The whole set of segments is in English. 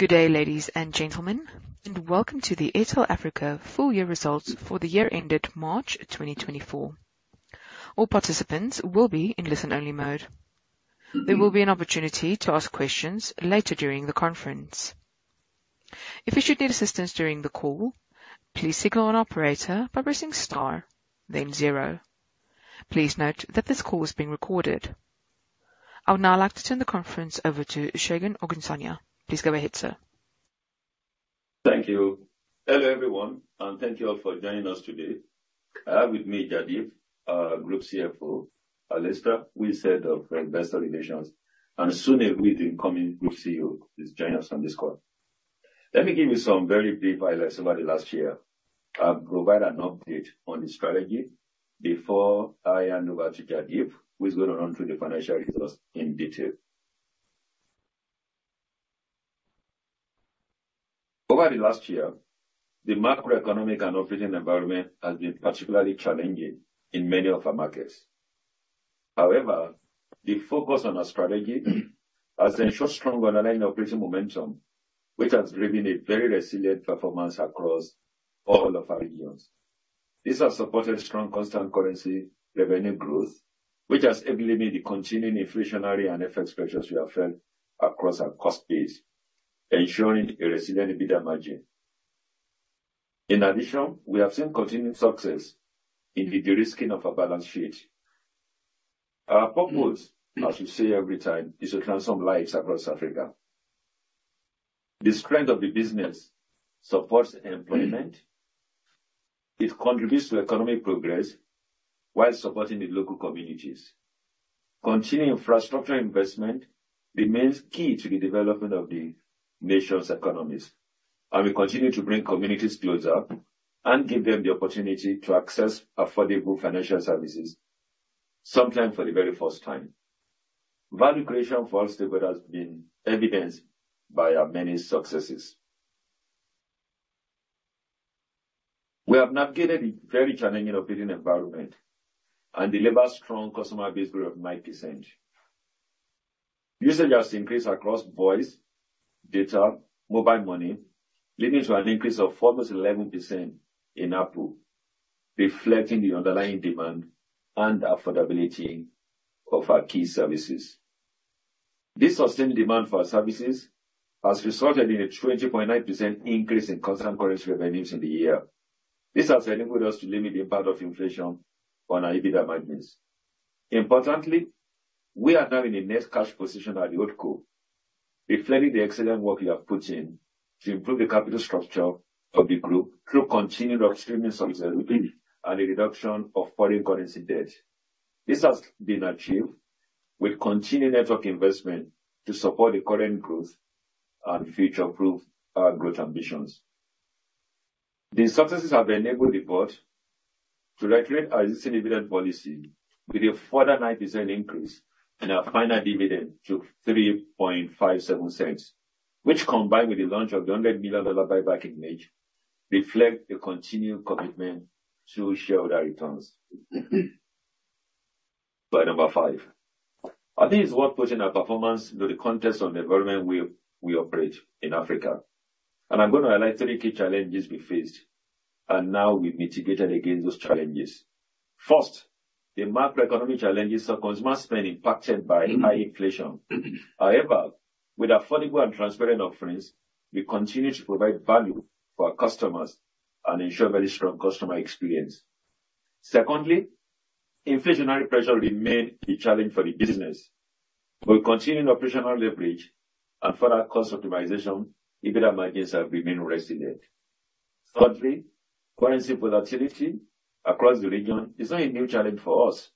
Good day, ladies and gentlemen, and welcome to the Airtel Africa full-year results for the year ended March 2024. All participants will be in listen-only mode. There will be an opportunity to ask questions later during the conference. If you should need assistance during the call, please signal an operator by pressing star, then zero. Please note that this call is being recorded. I would now like to turn the conference over to Segun Ogunsanya. Please go ahead, sir. Thank you. Hello, everyone, and thank you all for joining us today. I have with me Jaideep, our Group CFO, Alastair, Head of Investor Relations, and Sunil Taldar, incoming Group CEO, is joining us on this call. Let me give you some very brief highlights over the last year. I'll provide an update on the strategy before I hand over to Jaideep, who is going to run through the financial results in detail. Over the last year, the macroeconomic and operating environment has been particularly challenging in many of our markets. However, the focus on our strategy has ensured strong underlying operating momentum, which has driven a very resilient performance across all of our regions. This has supported strong constant currency revenue growth, which has easily made the continuing inflationary and FX pressures we have felt across our cost base, ensuring a resilient EBITDA margin. In addition, we have seen continued success in the de-risking of our balance sheet. Our purpose, as we say every time, is to transform lives across Africa. This trend of the business supports employment. It contributes to economic progress while supporting the local communities. Continuing infrastructure investment remains key to the development of the nation's economies, and we continue to bring communities closer and give them the opportunity to access affordable financial services, sometimes for the very first time. Value creation for all stakeholders has been evidenced by our many successes. We have navigated a very challenging operating environment and delivered a strong customer base growth of 9%. Usage has increased across voice, data, mobile money, leading to an increase of almost 11% in ARPU, reflecting the underlying demand and affordability of our key services. This sustained demand for our services has resulted in a 20.9% increase in constant currency revenues in the year. This has enabled us to limit the impact of inflation on our EBITDA margins. Importantly, we are now in a net cash position at the OpCo, reflecting the excellent work we have put in to improve the capital structure of the group through continued upstreaming of subsidies and a reduction of foreign currency debt. This has been achieved with continued network investment to support the current growth and future-proof growth ambitions. The successes have enabled the board to reinstate an existing dividend policy with a further 9% increase in our final dividend to $0.0357, which, combined with the launch of the $100 million buyback ignite, reflect a continued commitment to shareholder returns. Slide number 5. I think it's worth putting our performance in the context of the environment we operate in Africa, and I'm going to highlight three key challenges we faced and how we mitigated against those challenges. First, the macroeconomic challenges surrounding small spend impacted by high inflation. However, with affordable and transparent offerings, we continue to provide value for our customers and ensure a very strong customer experience. Secondly, inflationary pressure remained a challenge for the business, but with continued operational leverage and further cost optimization, EBITDA margins have remained resilient. Thirdly, currency volatility across the region is not a new challenge for us,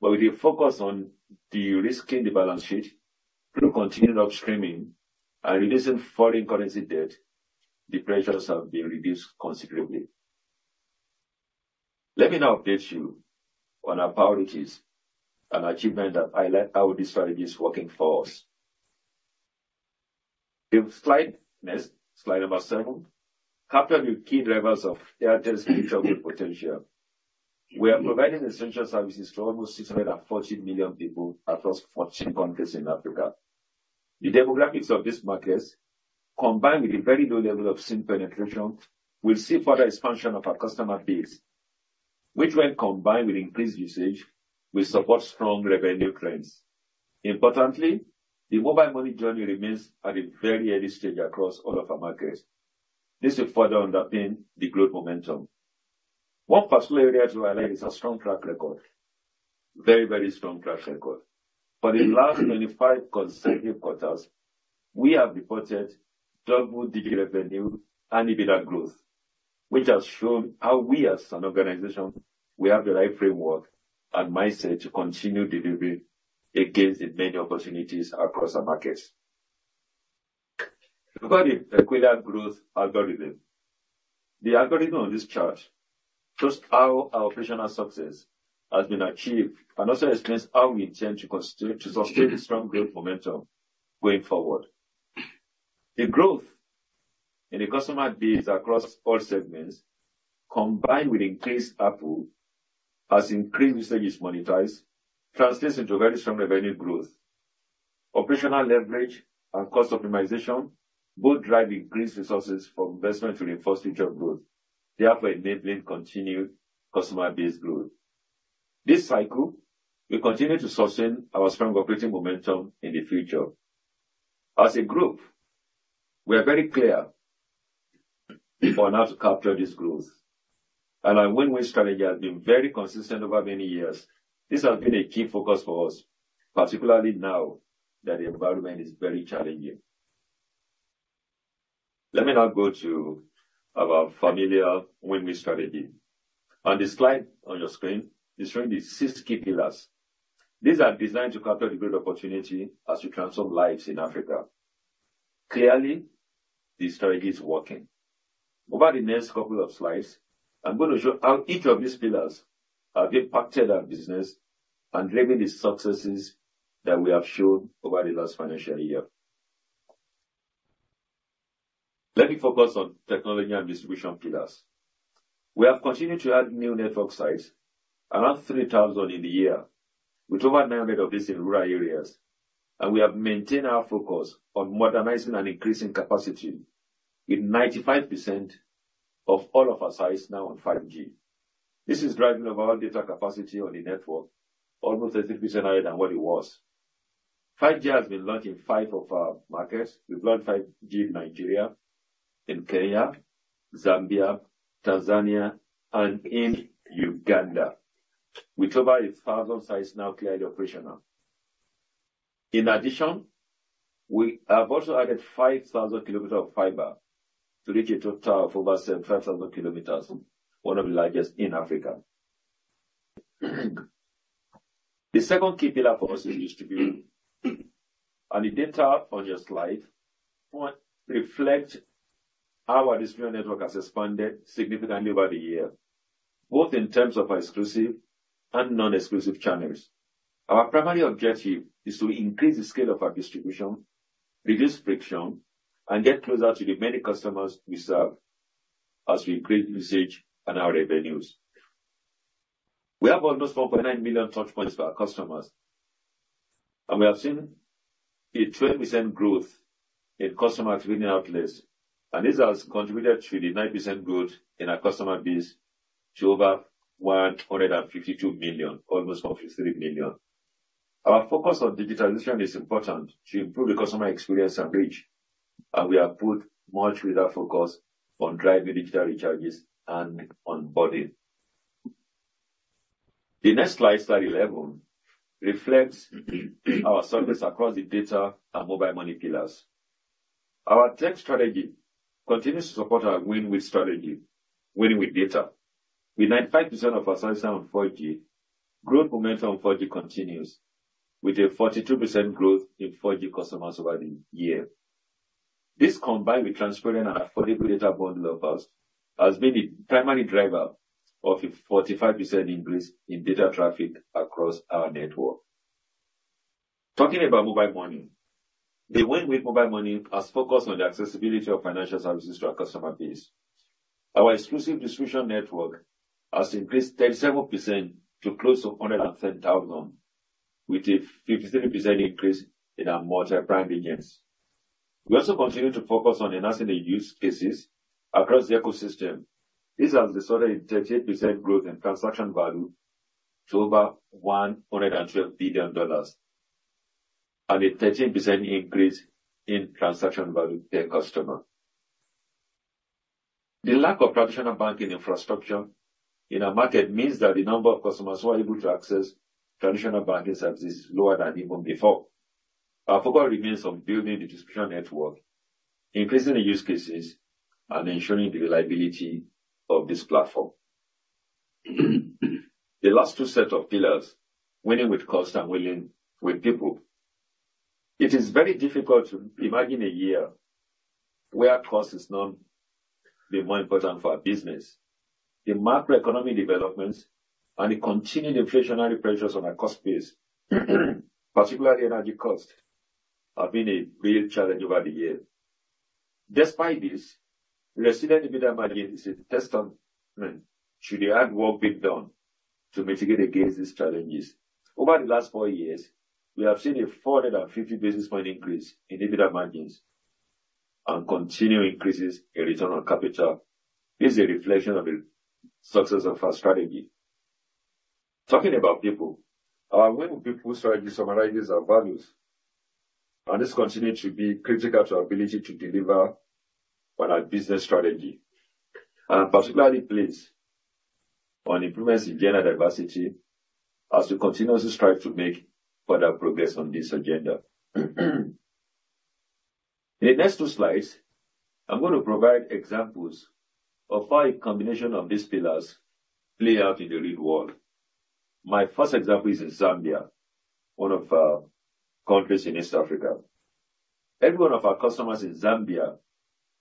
but with a focus on de-risking the balance sheet through continued upstreaming and reducing foreign currency debt, the pressures have been reduced considerably. Let me now update you on our priorities and achievements that highlight how these strategies are working for us. Next, slide number 7. Capture the key drivers of Airtel's future growth potential. We are providing essential services to almost 640 million people across 14 countries in Africa. The demographics of these markets, combined with a very low level of SIM penetration, will see further expansion of our customer base, which, when combined with increased usage, will support strong revenue trends. Importantly, the mobile money journey remains at a very early stage across all of our markets. This will further underpin the growth momentum. One particular area to highlight is our strong track record, very, very strong track record. For the last 25 consecutive quarters, we have reported double-digit revenue and EBITDA growth, which has shown how we, as an organization, have the right framework and mindset to continue delivering against the many opportunities across our markets. Look at the equilibrium growth algorithm. The algorithm on this chart shows how our operational success has been achieved and also explains how we intend to sustain strong growth momentum going forward. The growth in the customer base across all segments, combined with increased ARPU, as increased usage is monetized, translates into very strong revenue growth. Operational leverage and cost optimization both drive increased resources for investment to reinforce future growth. Therefore, enabling continued customer base growth. This cycle, we continue to sustain our strong operating momentum in the future. As a group, we are very clear on how to capture this growth, and our Win-Win Strategy has been very consistent over many years. This has been a key focus for us, particularly now that the environment is very challenging. Let me now go to our familiar Win-Win Strategy. On this slide on your screen, it's showing the six key pillars. These are designed to capture the growth opportunity as we transform lives in Africa. Clearly, the strategy is working. Over the next couple of slides, I'm going to show how each of these pillars have impacted our business and driven the successes that we have shown over the last financial year. Let me focus on technology and distribution pillars. We have continued to add new network sites, another 3,000 in the year, with over 900 of these in rural areas, and we have maintained our focus on modernizing and increasing capacity, with 95% of all of our sites now on 5G. This is driving overall data capacity on the network, almost 30% higher than what it was. 5G has been launched in five of our markets. We've launched 5G in Nigeria, in Kenya, Zambia, Tanzania, and in Uganda, with over 1,000 sites now clearly operational. In addition, we have also added 5,000 kilometers of fiber to reach a total of over 75,000 kilometers, one of the largest in Africa. The second key pillar for us is distribution, and the data on your slide reflects how our distribution network has expanded significantly over the year, both in terms of our exclusive and non-exclusive channels. Our primary objective is to increase the scale of our distribution, reduce friction, and get closer to the many customers we serve as we increase usage and our revenues. We have almost 1.9 million touchpoints for our customers, and we have seen a 20% growth in customer activity outlets, and this has contributed to the 9% growth in our customer base to over 152 million, almost one53 million. Our focus on digitization is important to improve the customer experience and reach, and we have put much greater focus on driving digital recharges and onboarding. The next slide, slide 11, reflects our service across the data and mobile money pillars. Our tech strategy continues to support our win-win strategy, winning with data. With 95% of our sites now on 4G, growth momentum on 4G continues, with a 42% growth in 4G customers over the year. This, combined with transparent and affordable data bundle of ours, has been the primary driver of a 45% increase in data traffic across our network. Talking about mobile money, the win-win mobile money has focused on the accessibility of financial services to our customer base. Our exclusive distribution network has increased 37% to close to 110,000, with a 53% increase in our multi-prime regions. We also continue to focus on enhancing the use cases across the ecosystem. This has resulted in 38% growth in transaction value to over $112 billion and a 13% increase in transaction value per customer. The lack of traditional banking infrastructure in our market means that the number of customers who are able to access traditional banking services is lower than even before. Our focus remains on building the distribution network, increasing the use cases, and ensuring the reliability of this platform. The last two sets of pillars, winning with cost and winning with people, it is very difficult to imagine a year where cost is known to be more important for our business. The macroeconomic developments and the continued inflationary pressures on our cost base, particularly energy cost, have been a real challenge over the year. Despite this, resilient EBITDA margin is a testament to the hard work being done to mitigate against these challenges. Over the last four years, we have seen a 450 basis points increase in EBITDA margins and continued increases in return on capital. This is a reflection of the success of our strategy. Talking about people, our Win-Win people strategy summarizes our values, and this continues to be critical to our ability to deliver on our business strategy, and particularly plays, on improvements in gender diversity as we continuously strive to make further progress on this agenda. In the next two slides, I'm going to provide examples of how a combination of these pillars plays out in the real world. My first example is in Zambia, one of our countries in East Africa. Every one of our customers in Zambia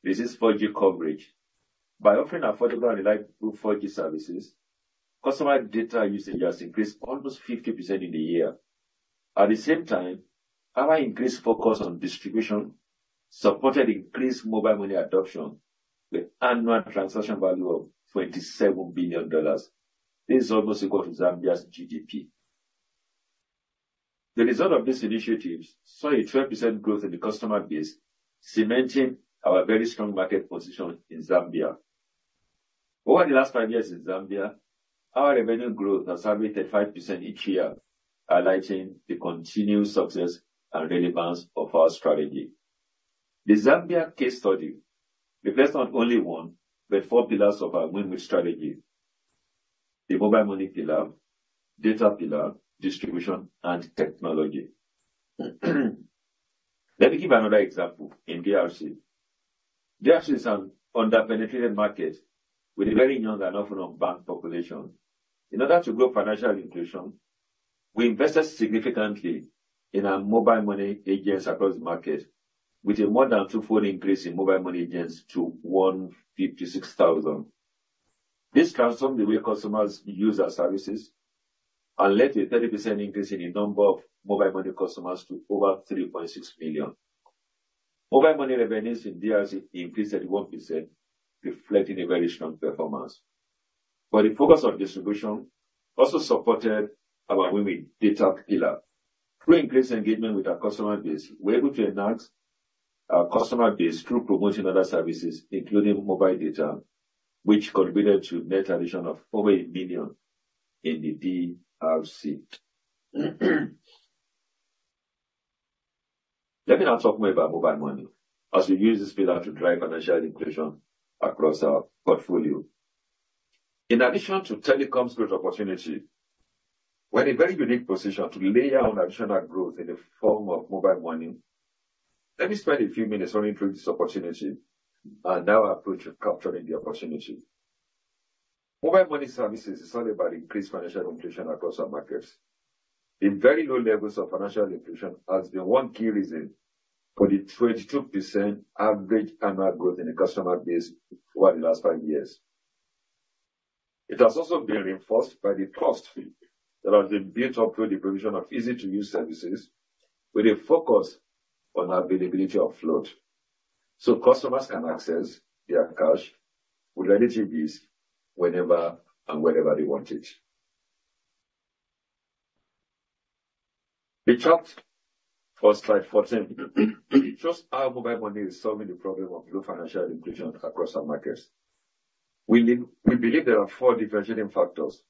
receives 4G coverage. By offering affordable and reliable 4G services, customer data usage has increased almost 50% in the year. At the same time, our increased focus on distribution supported increased mobile money adoption with an annual transaction value of $27 billion. This is almost equal to Zambia's GDP. The result of these initiatives saw a 12% growth in the customer base, cementing our very strong market position in Zambia. Over the last five years in Zambia, our revenue growth has averaged at 5% each year, highlighting the continued success and relevance of our strategy. The Zambia case study reflects not only one but four pillars of our Win-Win Strategy: the mobile money pillar, data pillar, distribution, and technology. Let me give another example in DRC. DRC is an under-penetrated market with a very young and often unbanked population. In order to grow financial inclusion, we invested significantly in our Mobile Money agents across the market, with a more than twofold increase in Mobile Money agents to 156,000. This transformed the way customers use our services and led to a 30% increase in the number of Mobile Money customers to over 3.6 million. Mobile Money revenues in DRC increased at 1%, reflecting a very strong performance. But the focus on distribution also supported our Win-Win data pillar. Through increased engagement with our customer base, we were able to enhance our customer base through promoting other services, including mobile data, which contributed to a net addition of over 1 million in the DRC. Let me now talk more about Mobile Money as we use this pillar to drive financial inclusion across our portfolio. In addition to telecoms growth opportunity, we have a very unique position to layer on additional growth in the form of mobile money. Let me spend a few minutes only through this opportunity and our approach to capturing the opportunity. Mobile money services are solid by increased financial inclusion across our markets. The very low levels of financial inclusion have been one key reason for the 22% average annual growth in the customer base over the last five years. It has also been reinforced by the cost fee that has been built up through the provision of easy-to-use services with a focus on availability of float, so customers can access their cash with relative ease whenever and wherever they want it. The chart for slide 14 shows how mobile money is solving the problem of low financial inclusion across our markets. We believe there are four differentiating factors,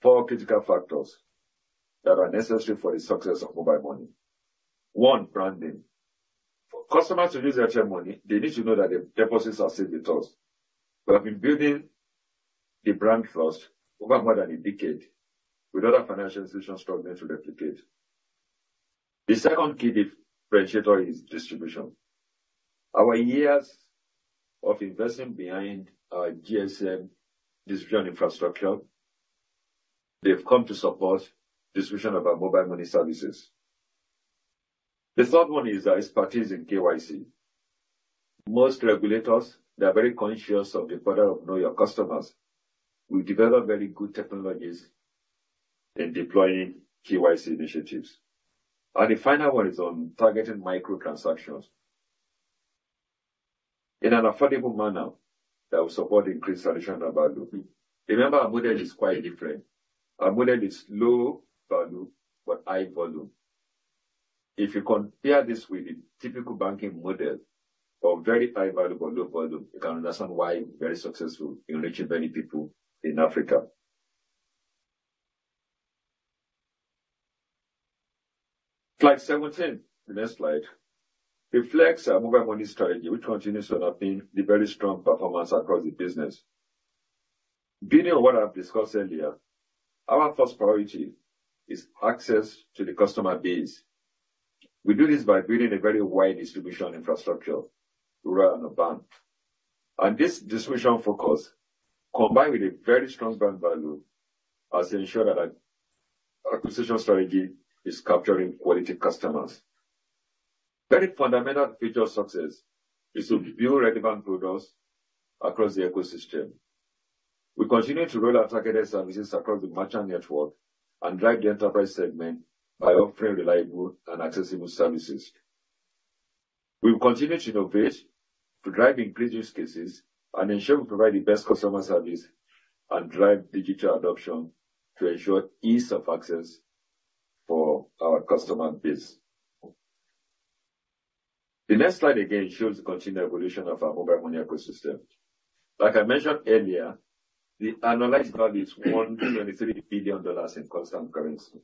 four critical factors that are necessary for the success of mobile money. One, branding. For customers to use Airtel Money, they need to know that their deposits are safe with us. We have been building the brand trust over more than a decade, with other financial institutions struggling to replicate. The second key differentiator is distribution. Our years of investing behind our GSM distribution infrastructure, they've come to support distribution of our mobile money services. The third one is our expertise in KYC. Most regulators, they are very conscious of the importance of knowing your customers. We develop very good technologies in deploying KYC initiatives. The final one is on targeting microtransactions in an affordable manner that will support increased additional value. Remember, our model is quite different. Our model is low value but high volume. If you compare this with the typical banking model of very high value but low volume, you can understand why we're very successful in reaching many people in Africa. Slide 17th, the next slide, reflects our mobile money strategy, which continues to enhance the very strong performance across the business. Building on what I've discussed earlier, our first priority is access to the customer base. We do this by building a very wide distribution infrastructure, rural and urban. And this distribution focus, combined with a very strong brand value, has ensured that our acquisition strategy is capturing quality customers. A very fundamental feature of success is to build relevant products across the ecosystem. We continue to roll out targeted services across the merchant network and drive the enterprise segment by offering reliable and accessible services. We continue to innovate to drive increased use cases and ensure we provide the best customer service and drive digital adoption to ensure ease of access for our customer base. The next slide, again, shows the continued evolution of our mobile money ecosystem. Like I mentioned earlier, the annualized value is $123 billion in constant currency.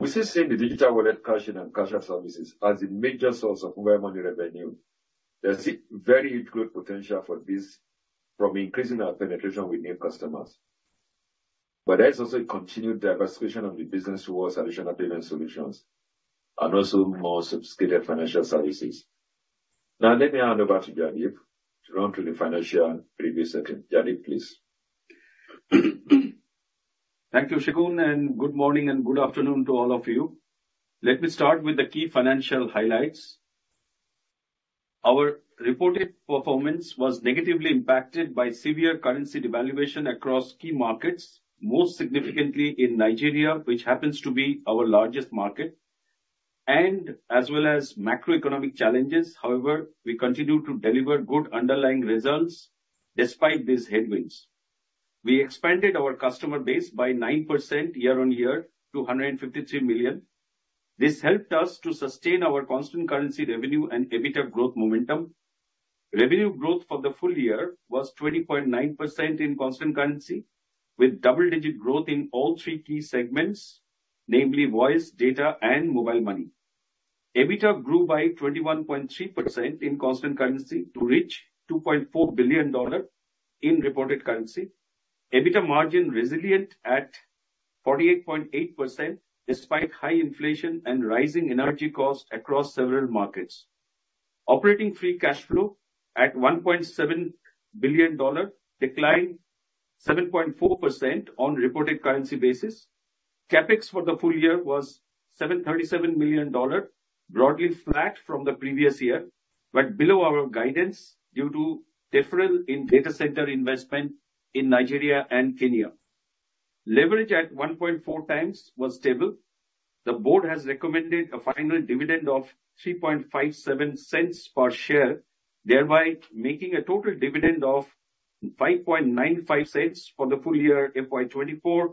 We still see the digital wallet, cash, and cash-out services as the major source of mobile money revenue. There's very good potential for this from increasing our penetration with new customers. But there's also a continued diversification of the business towards additional payment solutions and also more sophisticated financial services. Now, let me hand over to Jaideep to run through the financial preview section. Jaideep, please. Thank you, Segun, and good morning and good afternoon to all of you. Let me start with the key financial highlights. Our reported performance was negatively impacted by severe currency devaluation across key markets, most significantly in Nigeria, which happens to be our largest market, and as well as macroeconomic challenges. However, we continue to deliver good underlying results despite these headwinds. We expanded our customer base by 9% year-on-year to 153 million. This helped us to sustain our constant currency revenue and EBITDA growth momentum. Revenue growth for the full year was 20.9% in constant currency, with double-digit growth in all three key segments, namely voice, data, and mobile money. EBITDA grew by 21.3% in constant currency to reach $2.4 billion in reported currency. EBITDA margin resilient at 48.8% despite high inflation and rising energy costs across several markets. Operating free cash flow at $1.7 billion declined 7.4% on reported currency basis. CapEx for the full year was $737 million, broadly flat from the previous year but below our guidance due to deferral in data center investment in Nigeria and Kenya. Leverage at 1.4 times was stable. The board has recommended a final dividend of $0.0357 per share, thereby making a total dividend of $0.0595 for the full year FY24,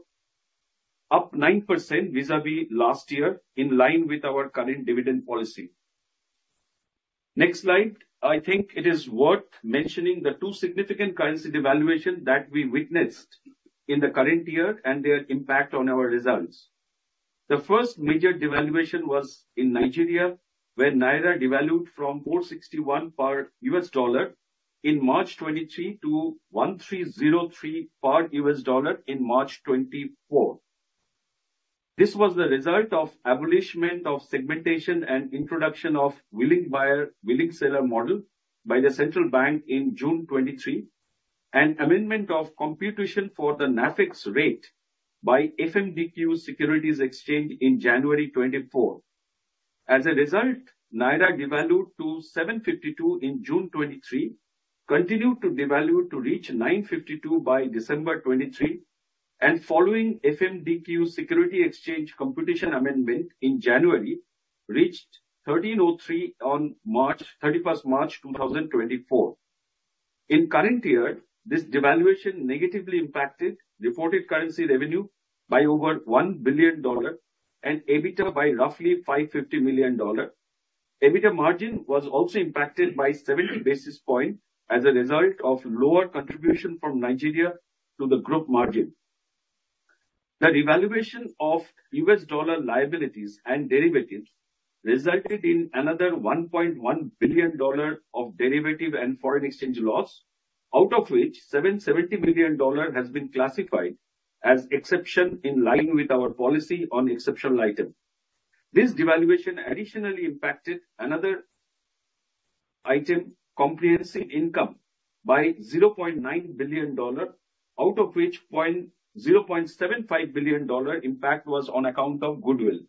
up 9% vis-à-vis last year in line with our current dividend policy. Next slide. I think it is worth mentioning the two significant currency devaluations that we witnessed in the current year and their impact on our results. The first major devaluation was in Nigeria, where Naira devalued from 461 per US dollar in March 2023 to 1,303 per US dollar in March 2024. This was the result of abolishment of segmentation and introduction of the willing buyer, willing seller model by the central bank in June 2023, and amendment of computation for the NAFEX rate by FMDQ Securities Exchange in January 2024. As a result, Naira devalued to $752 in June 2023, continued to devalue to reach $952 by December 2023, and following FMDQ Securities Exchange computation amendment in January, reached $1,303 on March 31st, 2024. In current year, this devaluation negatively impacted reported currency revenue by over $1 billion and EBITDA by roughly $550 million. EBITDA margin was also impacted by 70 basis points as a result of lower contribution from Nigeria to the group margin. The revaluation of US dollar liabilities and derivatives resulted in another $1.1 billion of derivative and foreign exchange loss, out of which $770 million has been classified as an exception in line with our policy on exceptional items. This devaluation additionally impacted another item, comprehensive income, by $0.9 billion, out of which $0.75 billion impact was on account of goodwill.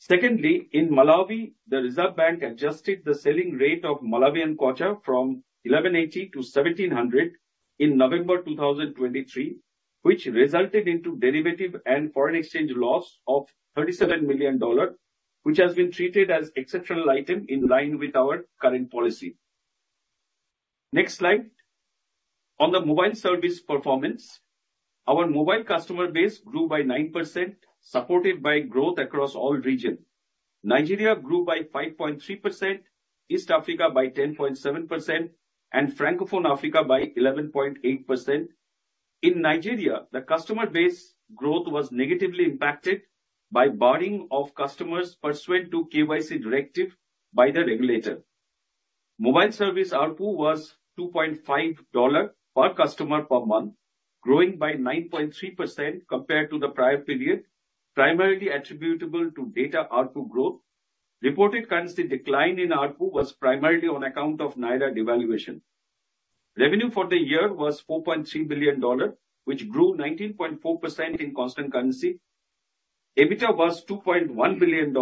Secondly, in Malawi, the Reserve Bank adjusted the selling rate of Malawian kwacha from 1,180 to 1,700 in November 2023, which resulted in derivative and foreign exchange loss of $37 million, which has been treated as an exceptional item in line with our current policy. Next slide. On the mobile service performance, our mobile customer base grew by 9%, supported by growth across all regions. Nigeria grew by 5.3%, East Africa by 10.7%, and Francophone Africa by 11.8%. In Nigeria, the customer base growth was negatively impacted by barring of customers pursuant to KYC directives by the regulator. Mobile service RPU was $2.5 per customer per month, growing by 9.3% compared to the prior period, primarily attributable to data RPU growth. Reported currency decline in RPU was primarily on account of Naira devaluation. Revenue for the year was $4.3 billion, which grew 19.4% in constant currency. EBITDA was $2.1 billion,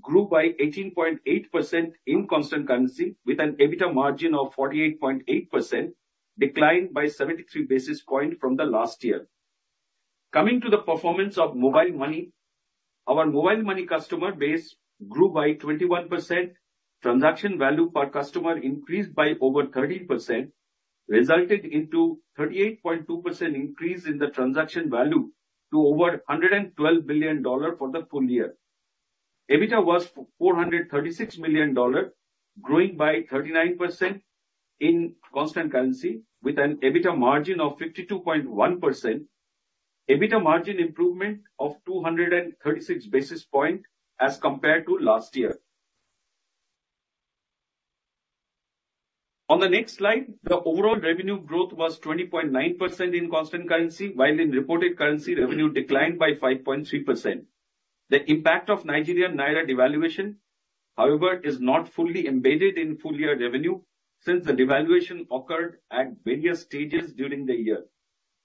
grew by 18.8% in constant currency, with an EBITDA margin of 48.8%, declined by 73 basis points from the last year. Coming to the performance of mobile money, our mobile money customer base grew by 21%. Transaction value per customer increased by over 30%, resulting in a 38.2% increase in the transaction value to over $112 billion for the full year. EBITDA was $436 million, growing by 39% in constant currency, with an EBITDA margin of 52.1%, EBITDA margin improvement of 236 basis points as compared to last year. On the next slide, the overall revenue growth was 20.9% in constant currency, while in reported currency, revenue declined by 5.3%. The impact of Nigerian Naira devaluation, however, is not fully embedded in full-year revenue since the devaluation occurred at various stages during the year.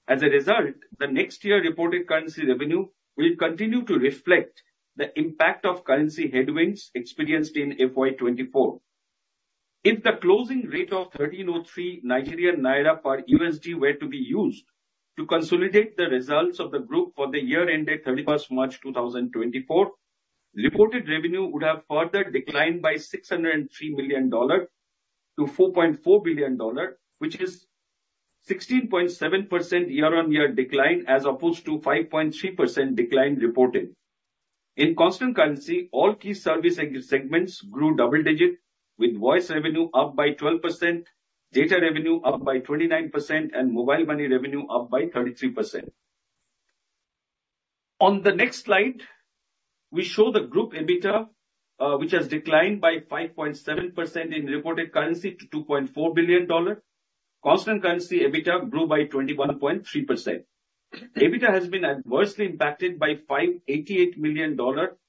As a result, the next year reported currency revenue will continue to reflect the impact of currency headwinds experienced in FY24. If the closing rate of 1,303 Nigerian Naira per USD were to be used to consolidate the results of the group for the year-end at 31st March 2024, reported revenue would have further declined by $603 million to $4.4 billion, which is a 16.7% year-on-year decline as opposed to a 5.3% decline reported. In constant currency, all key service segments grew double-digit, with voice revenue up by 12%, data revenue up by 29%, and mobile money revenue up by 33%. On the next slide, we show the group EBITDA, which has declined by 5.7% in reported currency to $2.4 billion. Constant currency EBITDA grew by 21.3%. EBITDA has been adversely impacted by $588 million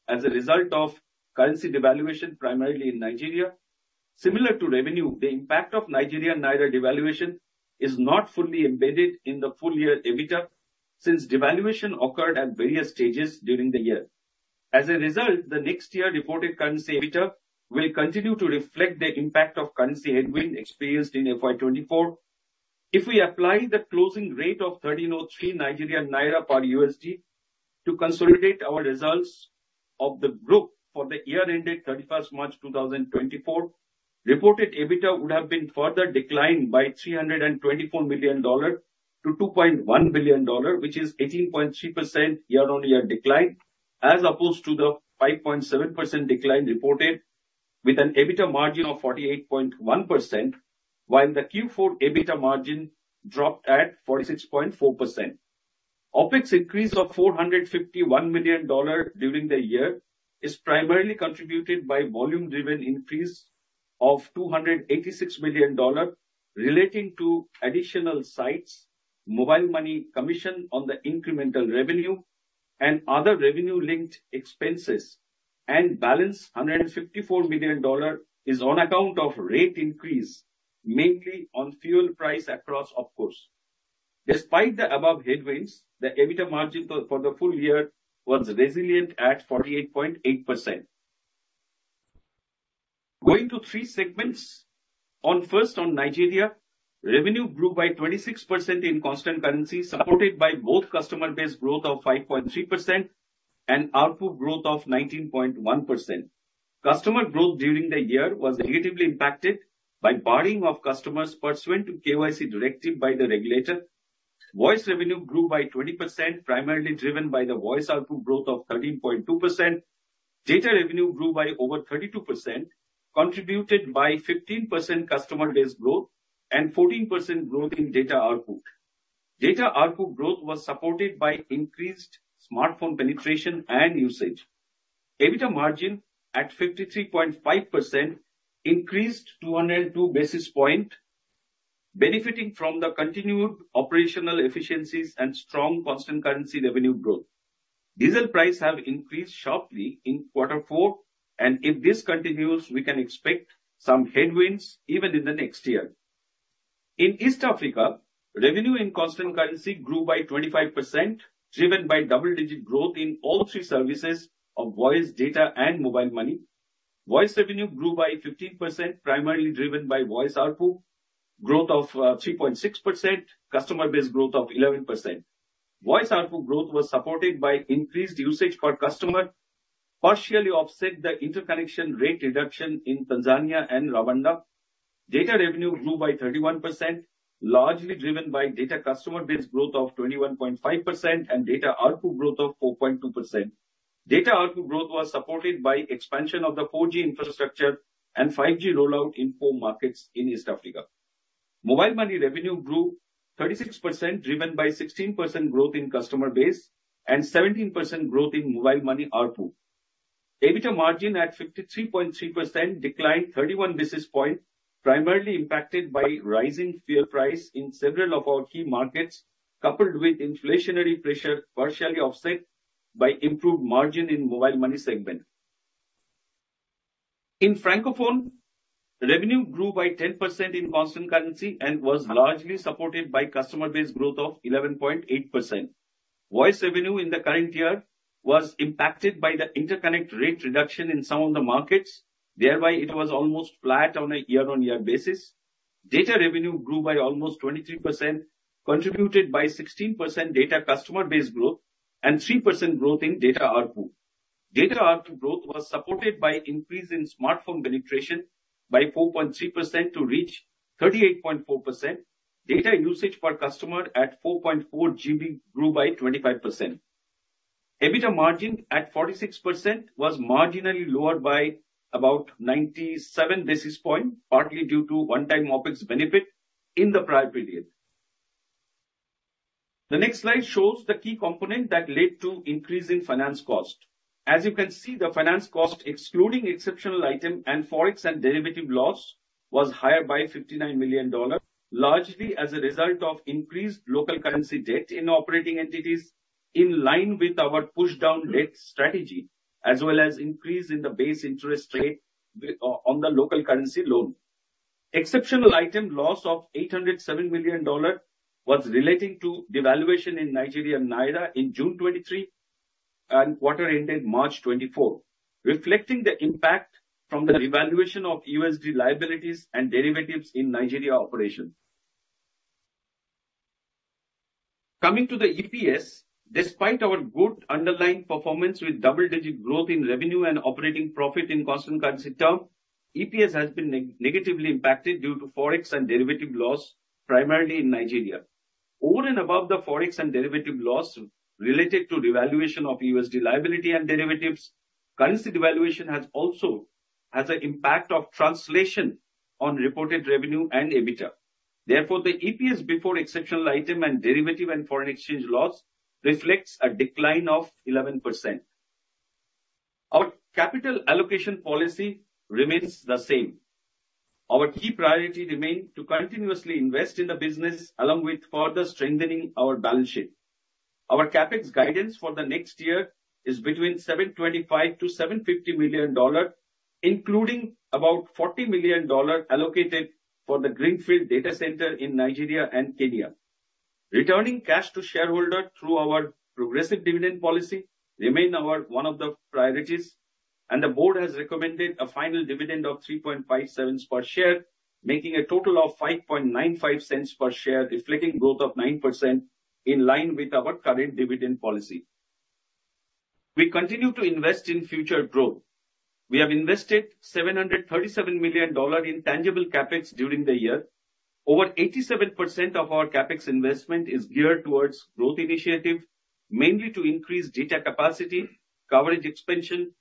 as a result of currency devaluation, primarily in Nigeria. Similar to revenue, the impact of Nigerian Naira devaluation is not fully embedded in the full-year EBITDA since devaluation occurred at various stages during the year. As a result, the next year reported currency EBITDA will continue to reflect the impact of currency headwinds experienced in FY 2024. If we apply the closing rate of 1,303 Nigerian Naira per USD to consolidate our results of the group for the year-end at 31st March 2024, reported EBITDA would have been further declined by $324 million to $2.1 billion, which is an 18.3% year-on-year decline as opposed to the 5.7% decline reported, with an EBITDA margin of 48.1%, while the Q4 EBITDA margin dropped at 46.4%. OPEX increase of $451 million during the year is primarily contributed by a volume-driven increase of $286 million relating to additional sites, mobile money commission on the incremental revenue, and other revenue-linked expenses, and balance of $154 million is on account of rate increase, mainly on fuel prices across, of course. Despite the above headwinds, the EBITDA margin for the full year was resilient at 48.8%. Going to three segments. First, on Nigeria, revenue grew by 26% in constant currency, supported by both customer base growth of 5.3% and ARPU growth of 19.1%. Customer growth during the year was negatively impacted by barring of customers pursuant to KYC directives by the regulator. Voice revenue grew by 20%, primarily driven by the voice ARPU growth of 13.2%. Data revenue grew by over 32%, contributed by 15% customer base growth and 14% growth in data ARPU. Data ARPU growth was supported by increased smartphone penetration and usage. EBITDA margin at 53.5% increased 202 basis points, benefiting from the continued operational efficiencies and strong constant currency revenue growth. Diesel prices have increased sharply in Q4, and if this continues, we can expect some headwinds even in the next year. In East Africa, revenue in constant currency grew by 25%, driven by double-digit growth in all three services of voice, data, and mobile money. Voice revenue grew by 15%, primarily driven by voice RPU growth of 3.6%, customer base growth of 11%. Voice RPU growth was supported by increased usage per customer, partially offsetting the interconnection rate reduction in Tanzania and Rwanda. Data revenue grew by 31%, largely driven by data customer base growth of 21.5% and data RPU growth of 4.2%. Data RPU growth was supported by the expansion of the 4G infrastructure and 5G rollout in four markets in East Africa. Mobile money revenue grew 36%, driven by 16% growth in customer base and 17% growth in mobile money RPU. EBITDA margin at 53.3% declined 31 basis points, primarily impacted by rising fuel prices in several of our key markets, coupled with inflationary pressure partially offset by improved margins in the mobile money segment. In Francophone, revenue grew by 10% in constant currency and was largely supported by customer base growth of 11.8%. Voice revenue in the current year was impacted by the interconnect rate reduction in some of the markets. Thereby, it was almost flat on a year-on-year basis. Data revenue grew by almost 23%, contributed by 16% data customer base growth and 3% growth in data RPU. Data RPU growth was supported by an increase in smartphone penetration by 4.3% to reach 38.4%. Data usage per customer at 4.4 GB grew by 25%. EBITDA margin at 46% was marginally lowered by about 97 basis points, partly due to one-time OPEX benefits in the prior period. The next slide shows the key component that led to an increase in finance cost. As you can see, the finance cost, excluding exceptional items and foreign and derivative losses, was higher by $59 million, largely as a result of increased local currency debt in operating entities, in line with our push-down debt strategy, as well as an increase in the base interest rate on the local currency loan. Exceptional item loss of $807 million was related to devaluation in Nigerian Naira in June 2023 and Q4 March 2024, reflecting the impact from the revaluation of USD liabilities and derivatives in Nigeria operations. Coming to the EPS, despite our good underlying performance with double-digit growth in revenue and operating profit in constant currency terms, EPS has been negatively impacted due to foreign and derivative losses, primarily in Nigeria. Over and above the foreign and derivative losses related to the devaluation of USD liabilities and derivatives, currency devaluation also has an impact of translation on reported revenue and EBITDA. Therefore, the EPS before exceptional items and derivatives and foreign exchange losses reflects a decline of 11%. Our capital allocation policy remains the same. Our key priorities remain to continuously invest in the business, along with further strengthening our balance sheet. Our CAPEX guidance for the next year is between $725 million-$750 million, including about $40 million allocated for the Greenfield data center in Nigeria and Kenya. Returning cash to shareholders through our progressive dividend policy remains one of the priorities, and the board has recommended a final dividend of $0.0357 per share, making a total of $0.59 per share, reflecting growth of 9% in line with our current dividend policy. We continue to invest in future growth. We have invested $737 million in tangible CAPEX during the year. Over 87% of our CAPEX investment is geared towards growth initiatives, mainly to increase data capacity, coverage expansion,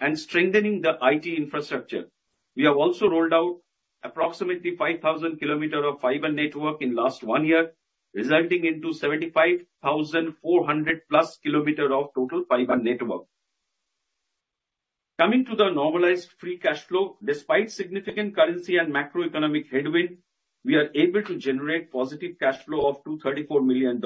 and strengthening the IT infrastructure. We have also rolled out approximately 5,000 kilometers of fiber network in the last one year, resulting in 75,400+ kilometers of total fiber network. Coming to the normalized free cash flow, despite significant currency and macroeconomic headwinds, we are able to generate a positive cash flow of $234 million.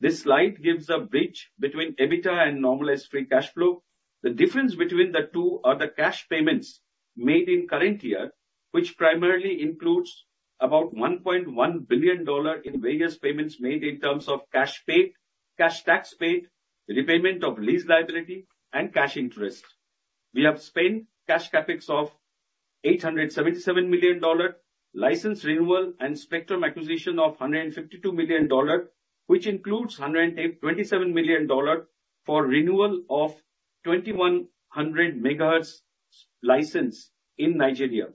This slide gives a bridge between EBITDA and normalized free cash flow. The difference between the two is the cash payments made in the current year, which primarily include about $1.1 billion in various payments made in terms of cash paid, cash tax paid, repayment of lease liability, and cash interest. We have spent cash CapEx of $877 million, license renewal, and spectrum acquisition of $152 million, which includes $127 million for renewal of a 2,100-megahertz license in Nigeria.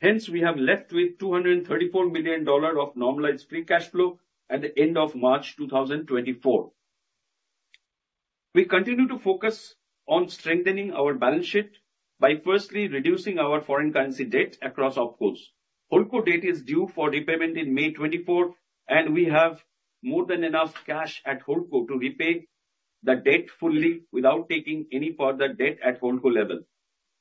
Hence, we have left with $234 million of normalized free cash flow at the end of March 2024. We continue to focus on strengthening our balance sheet by firstly reducing our foreign currency debt across OpCos. OpCo debt is due for repayment in May 2024, and we have more than enough cash at OpCo to repay the debt fully without taking any further debt at the OpCo level.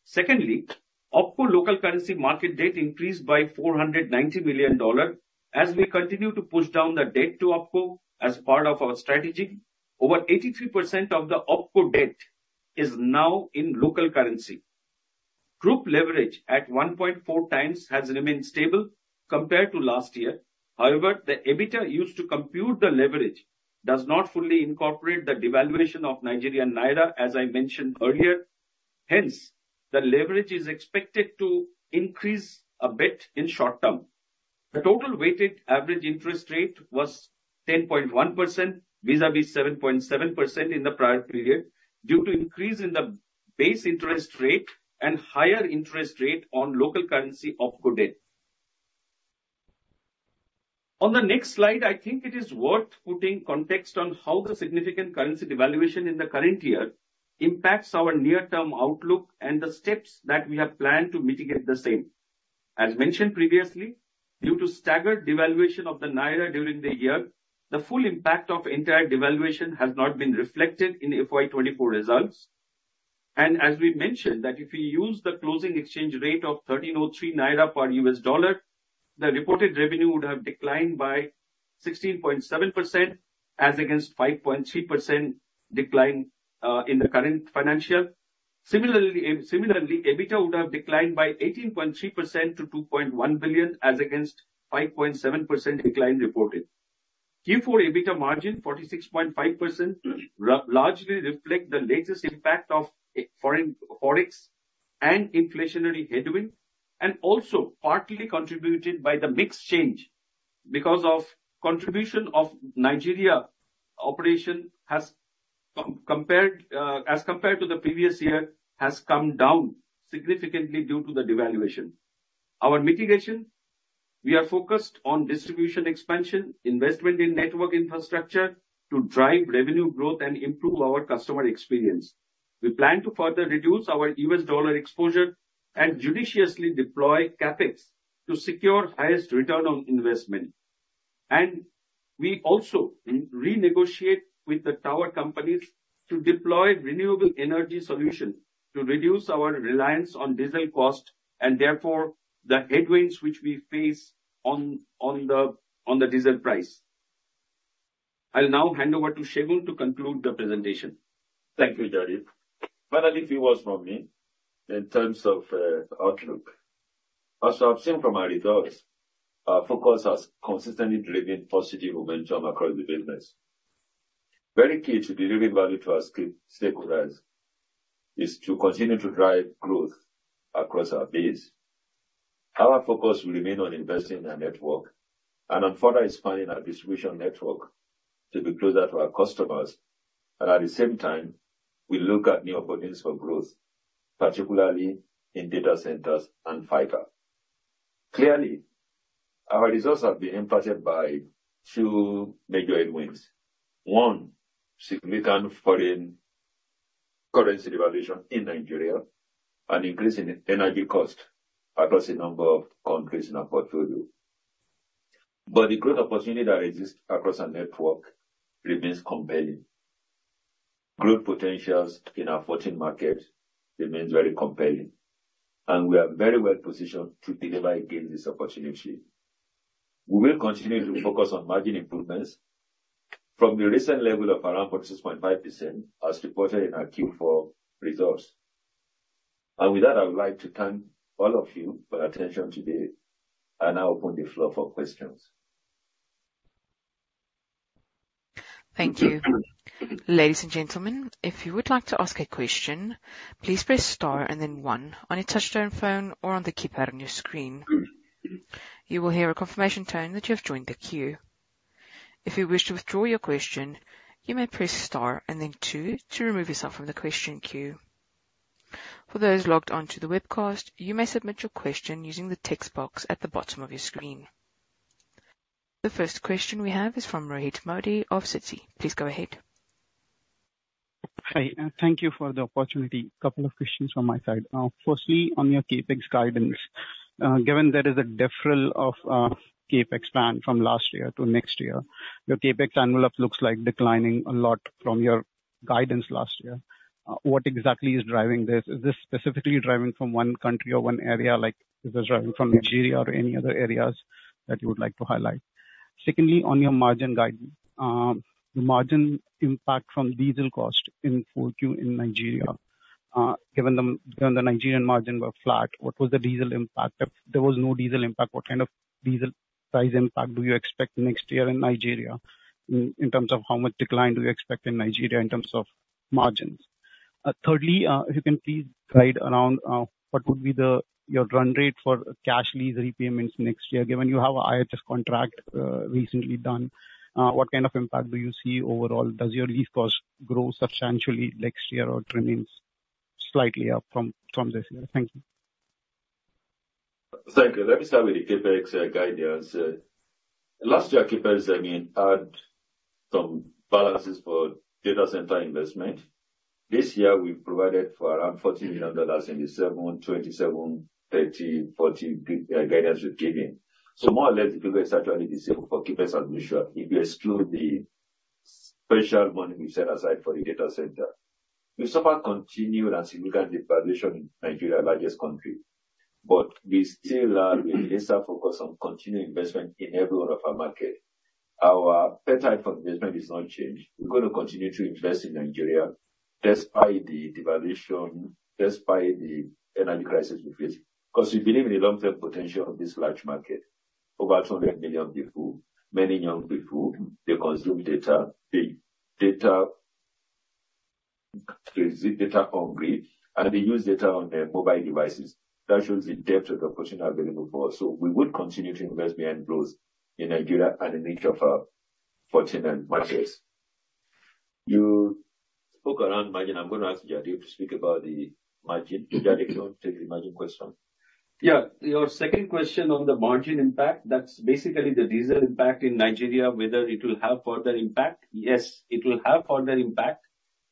Secondly, OpCo local currency market debt increased by $490 million as we continue to push down the debt to OpCo as part of our strategy. Over 83% of the OpCo debt is now in local currency. Group leverage at 1.4 times has remained stable compared to last year. However, the EBITDA used to compute the leverage does not fully incorporate the devaluation of Nigerian naira, as I mentioned earlier. Hence, the leverage is expected to increase a bit in the short term. The total weighted average interest rate was 10.1% vis-à-vis 7.7% in the prior period due to an increase in the base interest rate and higher interest rates on local currency OpCo debt. On the next slide, I think it is worth putting context on how the significant currency devaluation in the current year impacts our near-term outlook and the steps that we have planned to mitigate the same. As mentioned previously, due to staggered devaluation of the naira during the year, the full impact of the entire devaluation has not been reflected in the FY 2024 results. As we mentioned, if we used the closing exchange rate of 1,303 naira per $1, the reported revenue would have declined by 16.7% as against a 5.3% decline in the current financial. Similarly, EBITDA would have declined by 18.3% to $2.1 billion as against a 5.7% decline reported. Q4 EBITDA margin, 46.5%, largely reflects the latest impact of foreign forex and inflationary headwinds, and also partly contributed by the mixed change because the contribution of Nigeria operations as compared to the previous year has come down significantly due to the devaluation. Our mitigation, we are focused on distribution expansion, investment in network infrastructure to drive revenue growth and improve our customer experience. We plan to further reduce our US dollar exposure and judiciously deploy CAPEX to secure the highest return on investment. And we also renegotiate with the tower companies to deploy renewable energy solutions to reduce our reliance on diesel costs and, therefore, the headwinds which we face on the diesel price. I'll now hand over to Segun to conclude the presentation. Thank you, Jaideep. Finally, a few words from me in terms of the outlook. As you have seen from our results, our focus has consistently driven positive momentum across the business. Very key to delivering value to our stakeholders is to continue to drive growth across our base. Our focus will remain on investing in our network and on further expanding our distribution network to be closer to our customers. And at the same time, we look at new opportunities for growth, particularly in data centers and fiber. Clearly, our results have been impacted by two major headwinds. One, significant foreign currency devaluation in Nigeria and an increase in energy costs across a number of countries in our portfolio. But the growth opportunity that exists across our network remains compelling. Growth potential in our 14 markets remains very compelling. And we are very well positioned to deliver against this opportunity. We will continue to focus on margin improvements from the recent level of around 46.5% as reported in our Q4 results. And with that, I would like to thank all of you for your attention today. I now open the floor for questions. Thank you. Ladies and gentlemen, if you would like to ask a question, please press star and then one on your touch-tone phone or on the keypad on your screen. You will hear a confirmation tone that you have joined the queue. If you wish to withdraw your question, you may press star and then two to remove yourself from the question queue. For those logged onto the webcast, you may submit your question using the text box at the bottom of your screen. The first question we have is from Rohit Modi of Citi. Please go ahead. Hi. Thank you for the opportunity. A couple of questions from my side. Firstly, on your CAPEX guidance, given there is a deferral of CAPEX plan from last year to next year, your CAPEX envelope looks like declining a lot from your guidance last year. What exactly is driving this? Is this specifically driving from one country or one area? Is this driving from Nigeria or any other areas that you would like to highlight? Secondly, on your margin guidance, the margin impact from diesel costs in 4Q in Nigeria, given the Nigerian margins were flat, what was the diesel impact? If there was no diesel impact, what kind of diesel price impact do you expect next year in Nigeria in terms of how much decline do you expect in Nigeria in terms of margins? Thirdly, if you can please guide around what would be your run rate for cash lease repayments next year, given you have an IHS contract recently done, what kind of impact do you see overall? Does your lease cost grow substantially next year or remain slightly up from this year? Thank you. Thank you. Let me start with the CAPEX guidance. Last year, CAPEX, I mean, added some balances for data center investment. This year, we provided for around $40 million in the 2027, 2027, 2030, 2040 guidance we've given. So more or less, the figure is actually the same for CAPEX as usual if you exclude the special money we set aside for the data center. We've so far continued despite significant devaluation in Nigeria, the largest country. But we still are with a laser focus on continuing investment in every one of our markets. Our pathway for investment has not changed. We're going to continue to invest in Nigeria despite the devaluation, despite the energy crisis we face because we believe in the long-term potential of this large market. Over 200 million people, many young people, they consume data, they seek data on the go, and they use data on their mobile devices. That shows the depth of the opportunity available for us. So we would continue to invest behind growth in Nigeria and in each of our 14 markets. You spoke around margin. I'm going to ask Jaideep to speak about the margin. Jaideep, can you take the margin question? Yeah. Your second question on the margin impact, that's basically the diesel impact in Nigeria, whether it will have further impact. Yes, it will have further impact.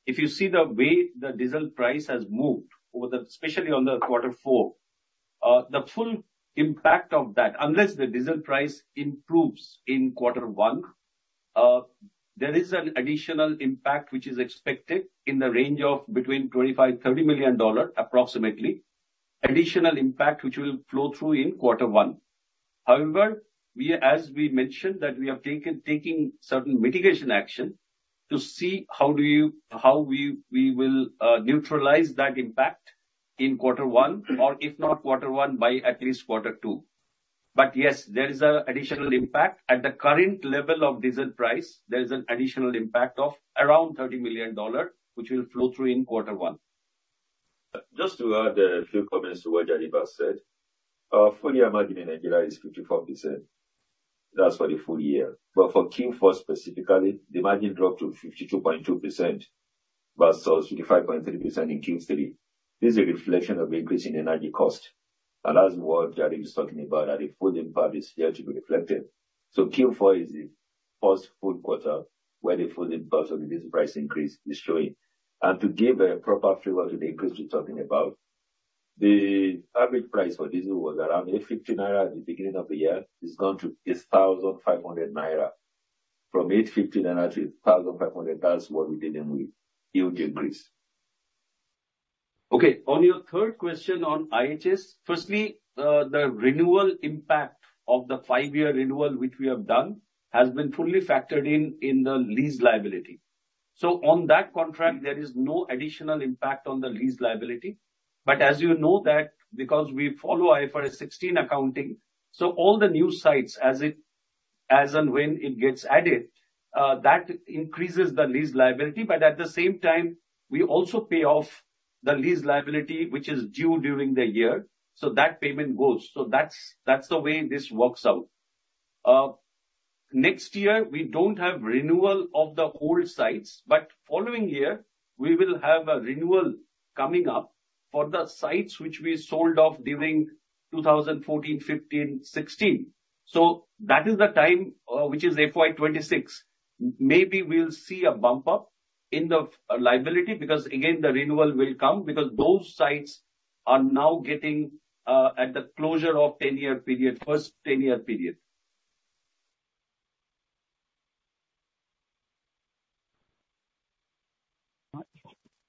If you see the way the diesel price has moved, especially on the quarter four, the full impact of that, unless the diesel price improves in quarter one, there is an additional impact which is expected in the range of between $25 million and $30 million, approximately, additional impact which will flow through in quarter one. However, as we mentioned, we are taking certain mitigation actions to see how we will neutralize that impact in quarter one or, if not quarter one, by at least quarter two. But yes, there is an additional impact. At the current level of diesel price, there is an additional impact of around $30 million which will flow through in quarter one. Just to add a few comments to what Jaideep has said. Our full-year margin in Nigeria is 54%. That's for the full year. But for Q4 specifically, the margin dropped to 52.2% versus 55.3% in Q3. This is a reflection of the increase in energy costs. And as what Jaideep is talking about, the full impact is still to be reflected. So Q4 is the first full quarter where the full impact of the diesel price increase is showing. And to give a proper flavor to the increase we're talking about, the average price for diesel was around 850 naira at the beginning of the year. It's gone to NGN one,500 from 850 naira to NGN one,500. That's what we did in the yield increase. Okay. On your third question on IHS, firstly, the renewal impact of the five-year renewal which we have done has been fully factored in in the lease liability. So on that contract, there is no additional impact on the lease liability. But as you know that because we follow IFRS 16 accounting, so all the new sites as and when it gets added, that increases the lease liability. But at the same time, we also pay off the lease liability which is due during the year. So that payment goes. So that's the way this works out. Next year, we don't have renewal of the old sites. But following year, we will have a renewal coming up for the sites which we sold off during 2014, 2015, 2016. So that is the time which is FY26. Maybe we'll see a bump up in the liability because, again, the renewal will come because those sites are now getting at the closure of the first 10-year period.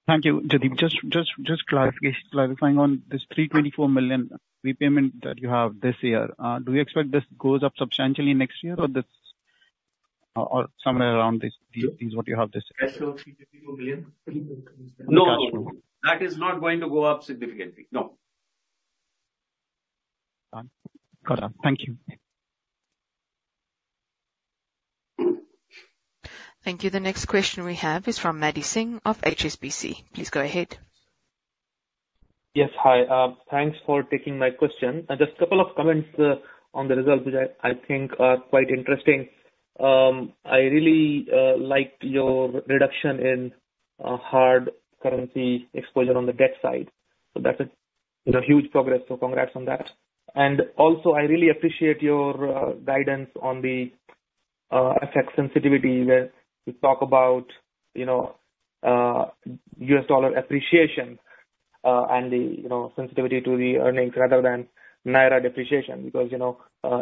Thank you, Jaideep. Just clarifying on this $324 million repayment that you have this year, do you expect this goes up substantially next year or somewhere around this is what you have this year? No, no. That is not going to go up significantly. No. Got it. Thank you. Thank you. The next question we have is from Madvinder Singh of HSBC. Please go ahead. Yes. Hi. Thanks for taking my question. Just a couple of comments on the results which I think are quite interesting. I really liked your reduction in hard currency exposure on the debt side. So that's a huge progress. So congrats on that. Also, I really appreciate your guidance on the FX sensitivity where you talk about US dollar appreciation and the sensitivity to the earnings rather than Naira depreciation because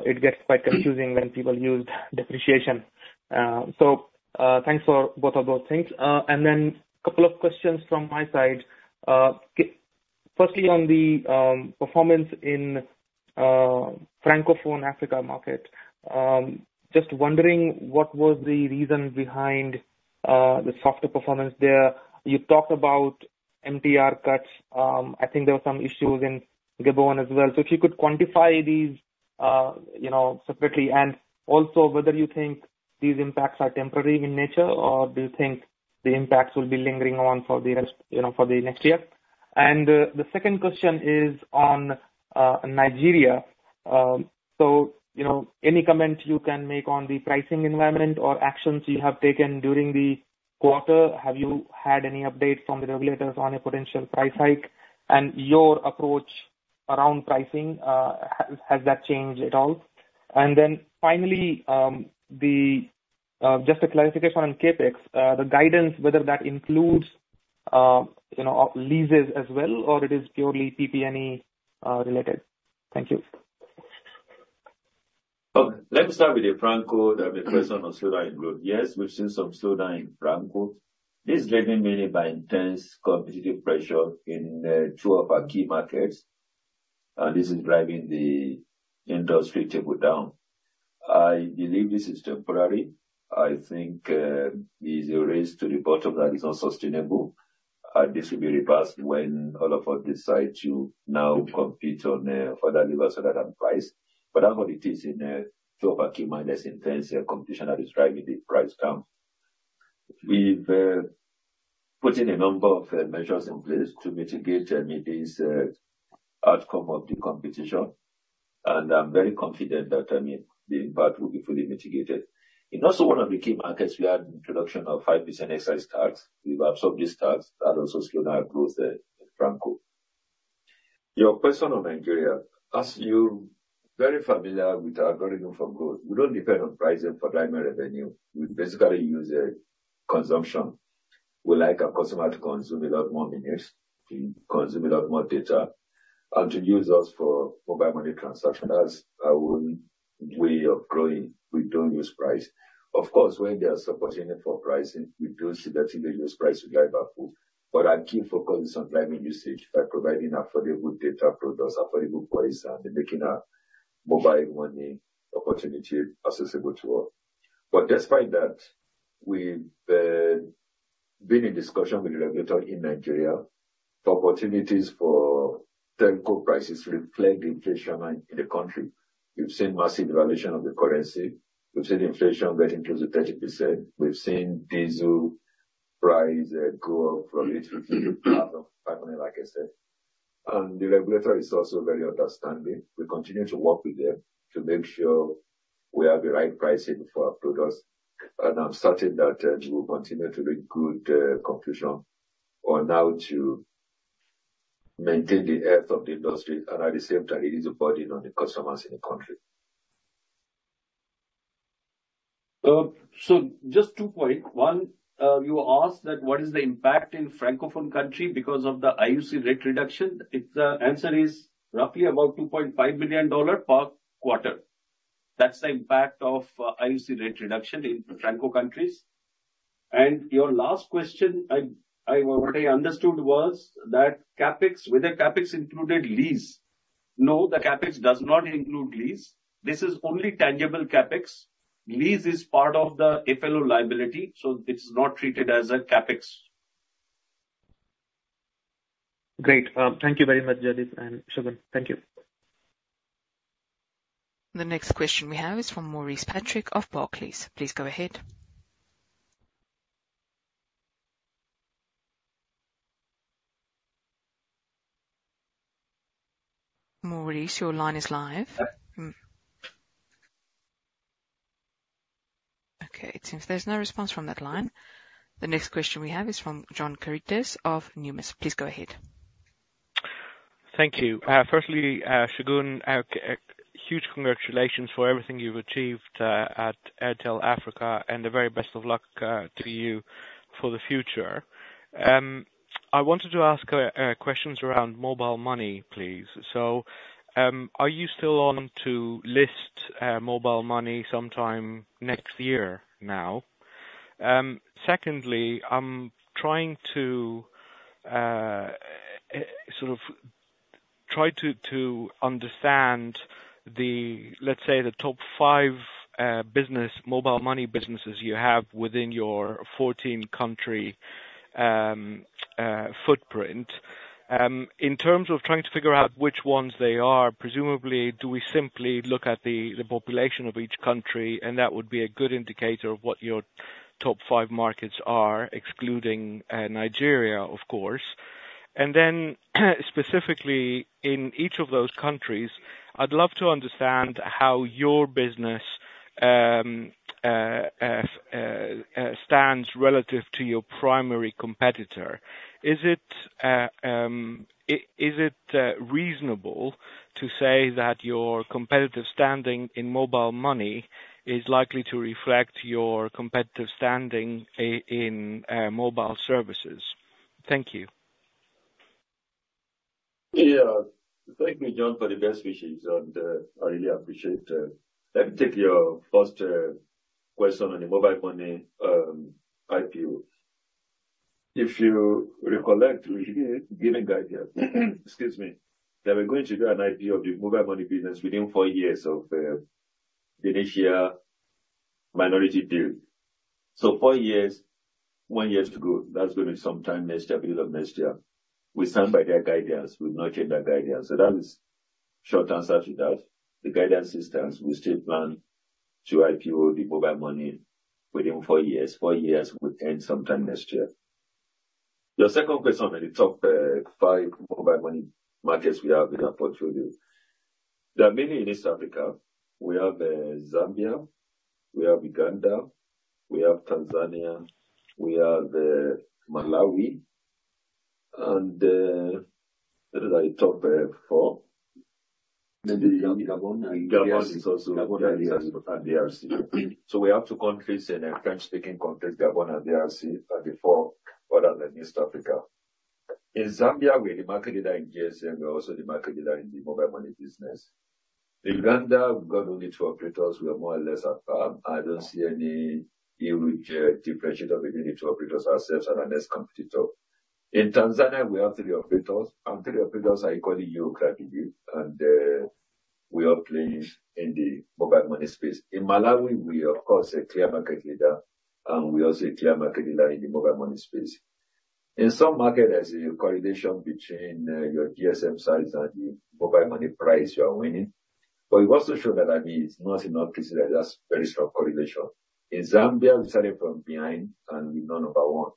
it gets quite confusing when people use depreciation. Thanks for both of those things. Then a couple of questions from my side. Firstly, on the performance in Francophone Africa market, just wondering what was the reason behind the softer performance there. You talked about MTR cuts. I think there were some issues in Gabon as well. If you could quantify these separately and also whether you think these impacts are temporary in nature or do you think the impacts will be lingering on for the next year? The second question is on Nigeria. Any comments you can make on the pricing environment or actions you have taken during the quarter? Have you had any updates from the regulators on a potential price hike? And your approach around pricing, has that changed at all? And then finally, just a clarification on CAPEX, the guidance, whether that includes leases as well or it is purely PP&E related. Thank you. Okay. Let me start with you, Franco. There'll be a question on slowdown in growth. Yes, we've seen some slowdown in Francophone. This is driven mainly by intense competitive pressure in two of our key markets. This is driving the industry table down. I believe this is temporary. I think there is a race to the bottom that is not sustainable. This will be reversed when all of us decide to now compete on further levels rather than price. But that's what it is in two of our key markets, intense competition that is driving the price down. We've put in a number of measures in place to mitigate, I mean, this outcome of the competition. And I'm very confident that, I mean, the impact will be fully mitigated. In, also, one of the key markets, we had an introduction of 5% excise tax. We've absorbed this tax. That also slowed down our growth in Francophone. Your question on Nigeria, as you're very familiar with our algorithm for growth, we don't depend on pricing for driving revenue. We basically use consumption. We like our customer to consume a lot more minutes, to consume a lot more data, and to use us for mobile money transactions. That's our own way of growing. We don't use price. Of course, when there's opportunity for pricing, we do significantly use price to drive our growth. But our key focus is on driving usage by providing affordable data products, affordable price, and making our mobile money opportunity accessible to all. But despite that, we've been in discussion with the regulator in Nigeria for opportunities for telco prices to reflect inflation in the country. We've seen massive devaluation of the currency. We've seen inflation getting close to 30%. We've seen diesel price go up from NGN 850-NGN 500, like I said. And the regulator is also very understanding. We continue to work with them to make sure we have the right pricing for our products. And I'm certain that we will continue to reach good conclusion on how to maintain the health of the industry. And at the same time, it is a burden on the customers in the country. So just two points. One, you asked that what is the impact in Francophone country because of the IUC rate reduction. The answer is roughly about $2.5 million per quarter. That's the impact of IUC rate reduction in Francophone countries. And your last question, what I understood was that whether CAPEX included lease. No, the CAPEX does not include lease. This is only tangible CAPEX. Lease is part of the IFRS liability. So it's not treated as a CAPEX. Great. Thank you very much, Jaideep and Segun. Thank you. The next question we have is from Maurice Patrick of Barclays. Please go ahead. Maurice, your line is live. Okay. It seems there's no response from that line. The next question we have is from John Karidis of Numis. Please go ahead. Thank you. Firstly, Segun, huge congratulations for everything you've achieved at Airtel Africa and the very best of luck to you for the future. I wanted to ask questions around mobile money, please. So are you still on to list mobile money sometime next year now? Secondly, I'm trying to sort of try to understand, let's say, the top five mobile money businesses you have within your 14-country footprint. In terms of trying to figure out which ones they are, presumably, do we simply look at the population of each country? And that would be a good indicator of what your top five markets are, excluding Nigeria, of course. And then specifically, in each of those countries, I'd love to understand how your business stands relative to your primary competitor. Is it reasonable to say that your competitive standing in mobile money is likely to reflect your competitive standing in mobile services? Thank you. Yeah. Thank you, John, for the best wishes. I really appreciate it. Let me take your first question on the mobile money IPO. If you recollect, we've given guidance. Excuse me. That we're going to do an IPO of the mobile money business within 4 years of the initial minority deal. 4 years, one year to go. That's going to be sometime next year, middle of next year. We stand by their guidance. We've not changed our guidance. That is short answer to that. The guidance is that we still plan to IPO the mobile money within 4 years. 4 years, we'll end sometime next year. Your second question on the top 5 mobile money markets we have in our portfolio. There are many in East Africa. We have Zambia. We have Uganda. We have Tanzania. We have Malawi. And what are the top 4? Maybe Gabon, Nigeria. Gabon is also the DRC. So we have two countries, French-speaking countries, Gabon and DRC, and the four other in East Africa. In Zambia, we're the market leader in GSM. We're also the market leader in the mobile money business. In Uganda, we've got only two operators. We are more or less at par. I don't see any huge differentiator between the two operators ourselves and our next competitor. In Tanzania, we have three operators. Three operators are equally geographically. We all play in the mobile money space. In Malawi, we are, of course, a clear market leader. We are also a clear market leader in the mobile money space. In some markets, as a correlation between your GSM size and the mobile money price, you are winning. But it also shows that, I mean, it's not in all cases that there's very strong correlation. In Zambia, we started from behind, and we're not number one.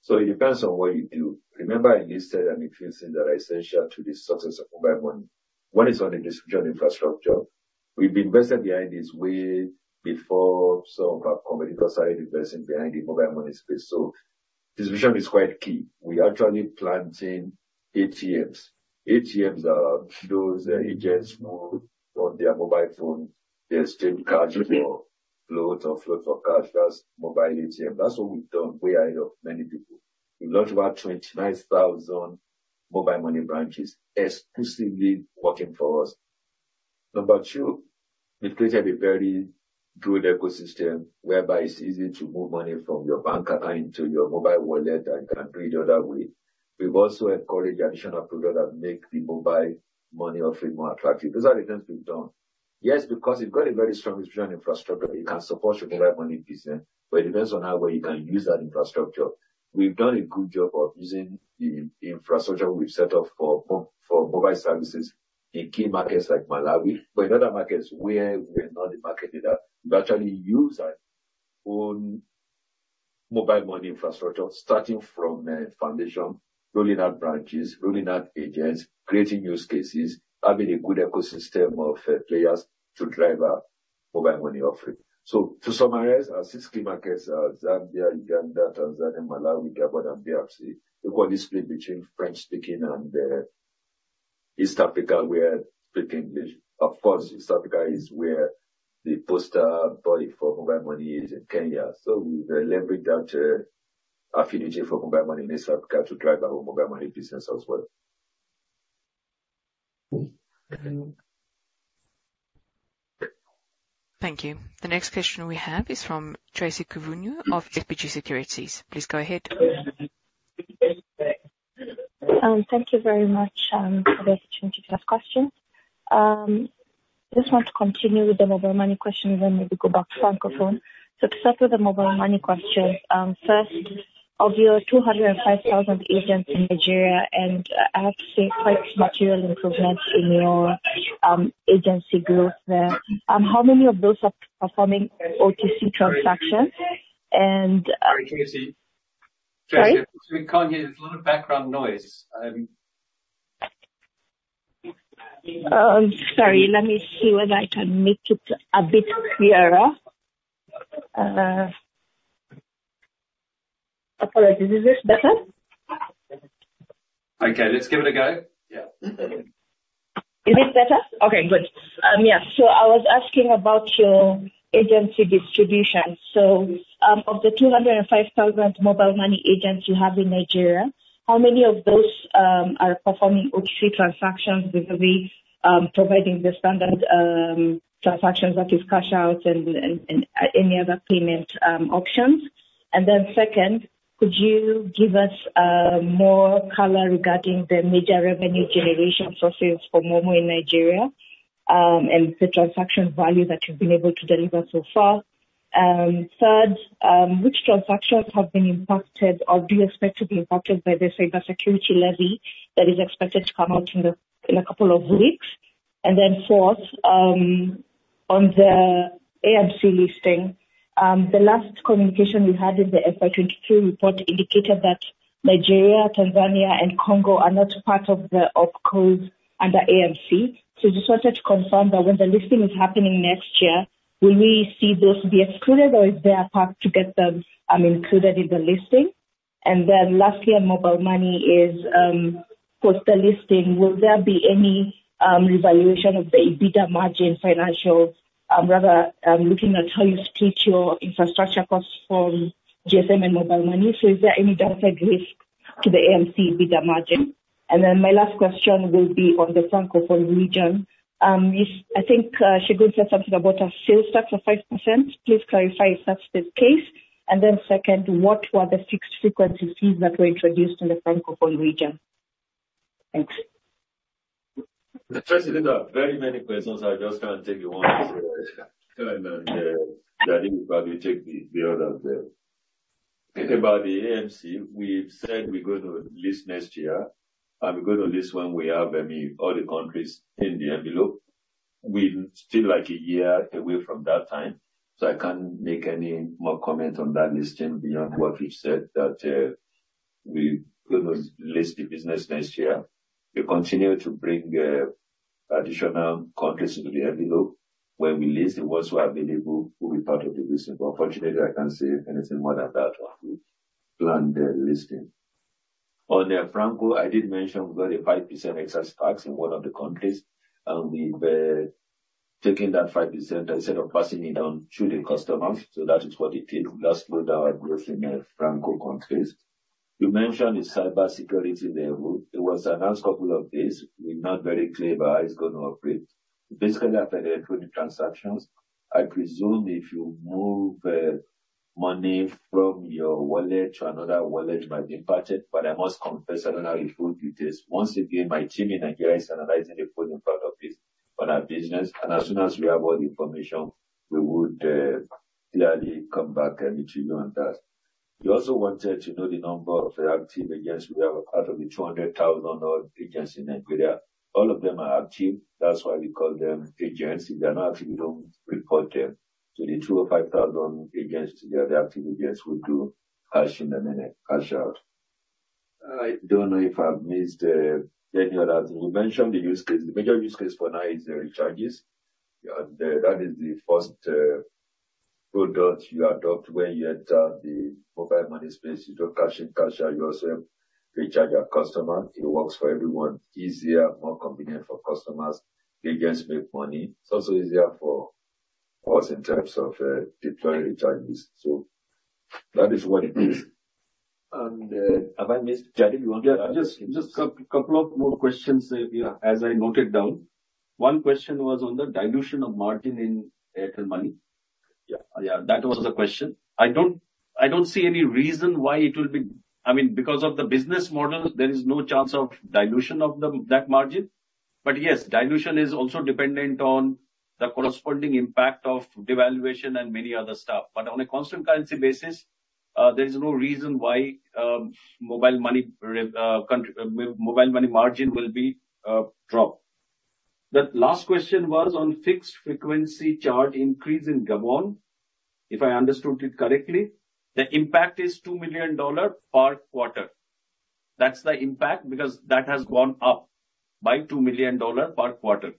So it depends on what you do. Remember, I listed, I mean, a few things that are essential to the success of mobile money. One is on the distribution infrastructure. We've been investing behind this way before some of our competitors started investing behind the mobile money space. So distribution is quite key. We're actually planting ATMs. ATMs are those agents who on their mobile phone, they save cash for loads of loads of cash. That's mobile ATM. That's what we've done way ahead of many people. We've launched about 29,000 mobile money branches exclusively working for us. Number two, we've created a very good ecosystem whereby it's easy to move money from your bank account into your mobile wallet and readily the other way. We've also encouraged additional products that make the mobile money offering more attractive. Those are the things we've done. Yes, because you've got a very strong distribution infrastructure. It can support your mobile money business. But it depends on how well you can use that infrastructure. We've done a good job of using the infrastructure we've set up for mobile services in key markets like Malawi. But in other markets, we're not the market leader. We've actually used our own mobile money infrastructure, starting from foundation, rolling out branches, rolling out agents, creating use cases, having a good ecosystem of players to drive our mobile money offering. So to summarize, our six key markets are Zambia, Uganda, Tanzania, Malawi, Gabon, and DRC. We've got a split between French-speaking and East Africa where we speak English. Of course, East Africa is where the poster body for mobile money is in Kenya. So we've leveraged that affinity for mobile money in East Africa to drive our own mobile money business as well. Thank you. The next question we have is from Tracy Kivunyu of FBNQuest. Please go ahead. Thank you very much for the opportunity to ask questions. I just want to continue with the mobile money questions and maybe go back to Francophone. So to start with the mobile money questions, first, of your 205,000 agents in Nigeria, and I have to say quite material improvements in your agency growth there. How many of those are performing OTC transactions? And. Sorry, Tracy? Sorry? We can't hear. There's a lot of background noise. Sorry. Let me see whether I can make it a bit clearer. Apologies. Is this better? Okay. Let's give it a go. Yeah. Is it better? Okay. Good. Yeah. So I was asking about your agency distribution. So of the 205,000 mobile money agents you have in Nigeria, how many of those are performing OTC transactions with the way providing the standard transactions, that is, cash out and any other payment options? And then second, could you give us more color regarding the major revenue generation sources for MoMo in Nigeria and the transaction value that you've been able to deliver so far? Third, which transactions have been impacted, or do you expect to be impacted by the cybersecurity levy that is expected to come out in a couple of weeks? Fourth, on the AMC listing, the last communication we had in the FY23 report indicated that Nigeria, Tanzania, and Congo are not part of the OpCos under AMC. So I just wanted to confirm that when the listing is happening next year, will we see those be excluded, or is there a plan to get them included in the listing? Lastly, on mobile money, post the listing, will there be any revaluation of the EBITDA margin financially, rather, looking at how you split your infrastructure costs from GSM and mobile money? So is there any dilutive risk to the AMC EBITDA margin? My last question will be on the Francophone region. I think Segun said something about a sales tax of 5%. Please clarify if that's the case. Second, what were the fixed frequency fees that were introduced in the Francophone region? Thanks. Tracy, there are very many questions. I just can't take you one at a time. And Jaideep, if you take the other there. About the AMC, we've said we're going to list next year. We're going to list when we have, I mean, all the countries in the envelope. We're still like a year away from that time. So I can't make any more comment on that listing beyond what you've said, that we're going to list the business next year. We continue to bring additional countries into the envelope. When we list, the ones who are available will be part of the listing. But unfortunately, I can't say anything more than that on the planned listing. On Francophone, I did mention we've got a 5% excess tax in one of the countries. We've taken that 5% instead of passing it on to the customers. So that is what it did. We last slowed down our growth in Francophone countries. You mentioned the cybersecurity levy. It was announced a couple of days. We're not very clear about how it's going to operate. Basically, after the 20 transactions, I presume if you move money from your wallet to another wallet, it might be impacted. But I must confess, I don't have the full details. Once again, my team in Nigeria is analyzing the full impact of this on our business. And as soon as we have all the information, we would clearly come back to you on that. You also wanted to know the number of active agents we have out of the 200,000 agents in Nigeria. All of them are active. That's why we call them agents. If they're not active, we don't report them. So the 2 or 5,000 agents, they are the active agents who do cash in and then cash out. I don't know if I've missed any other thing. You mentioned the use case. The major use case for now is the recharges. And that is the first product you adopt when you enter the mobile money space. You don't cash in, cash out. You also recharge your customer. It works for everyone. Easier, more convenient for customers. The agents make money. It's also easier for us in terms of deploying recharges. So that is what it is. And have I missed, Jaideep? You want to. Yeah. Just a couple of more questions as I noted down. One question was on the dilution of margin in Airtel Money. Yeah. Yeah. That was the question. I don't see any reason why it will be. I mean, because of the business model, there is no chance of dilution of that margin. But yes, dilution is also dependent on the corresponding impact of devaluation and many other stuff. But on a constant currency basis, there is no reason why mobile money margin will be dropped. The last question was on fixed frequency charge increase in Gabon. If I understood it correctly, the impact is $2 million per quarter. That's the impact because that has gone up by $2 million per quarter.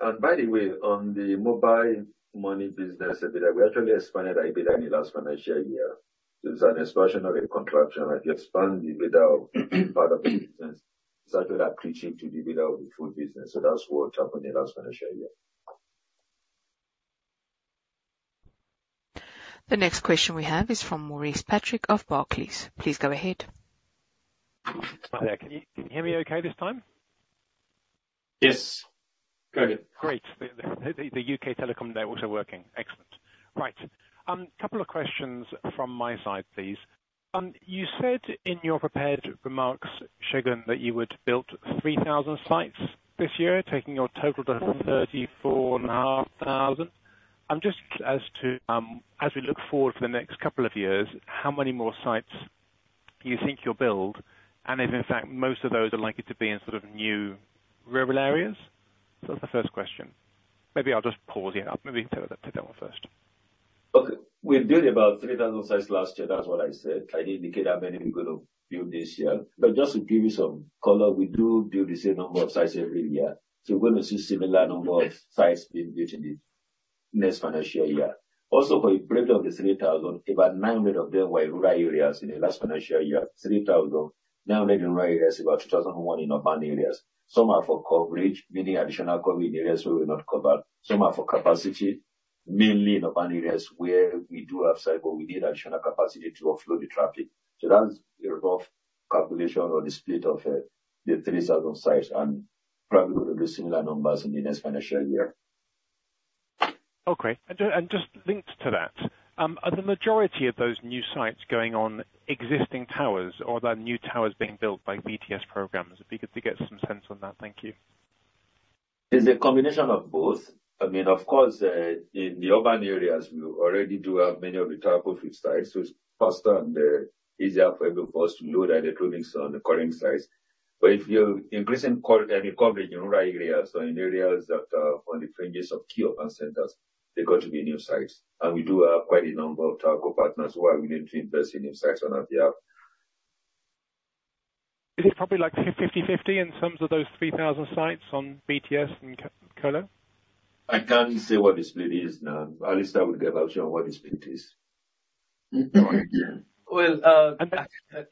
And by the way, on the mobile money business a bit, we actually expanded our EBITDA in the last financial year. So it's an expansion of a contraction. If you expand EBITDA of part of the business, it's actually appreciative to the EBITDA of the full business. So that's what happened in the last financial year. The next question we have is from Maurice Patrick of Barclays. Please go ahead. Hi, Segun. Can you hear me okay this time? Yes. Go ahead. Great. The UK Telecom networks are working. Excellent. Right. Couple of questions from my side, please. You said in your prepared remarks, Segun, that you would have built 3,000 sites this year, taking your total to 34,500. I'm just. As we look forward for the next couple of years, how many more sites do you think you'll build? And if, in fact, most of those are likely to be in sort of new rural areas? So that's the first question. Maybe I'll just pause you. Maybe take that one first. Okay. We built about 3,000 sites last year. That's what I said. I didn't indicate how many we're going to build this year. But just to give you some color, we do build the same number of sites every year. So you're going to see a similar number of sites being built in the next financial year. Also, for the breakdown of the 3,000, about 900 of them were in rural areas in the last financial year. 3,000, 900 in rural areas, about 2,001 in urban areas. Some are for coverage, meaning additional coverage in areas where we're not covered. Some are for capacity, mainly in urban areas where we do have sites, but we need additional capacity to offload the traffic. So that's a rough calculation or the split of the 3,000 sites. And probably we'll do similar numbers in the next financial year. Okay. And just linked to that, are the majority of those new sites going on existing towers, or are there new towers being built by BTS programs? I'd be good to get some sense on that. Thank you. It's a combination of both. I mean, of course, in the urban areas, we already do have many of the telco-fit sites. So it's faster and easier for every of us to load and the tunings on the current sites. But if you're increasing any coverage in rural areas, so in areas that are on the fringes of key urban centers, they've got to be new sites. And we do have quite a number of telco partners who are willing to invest in new sites on our behalf. Is it probably like 50/50 in terms of those 3,000 sites on BTS and Colo? I can't say what the split is now. Alastair will give an answer on what the split is. Go on again. Well,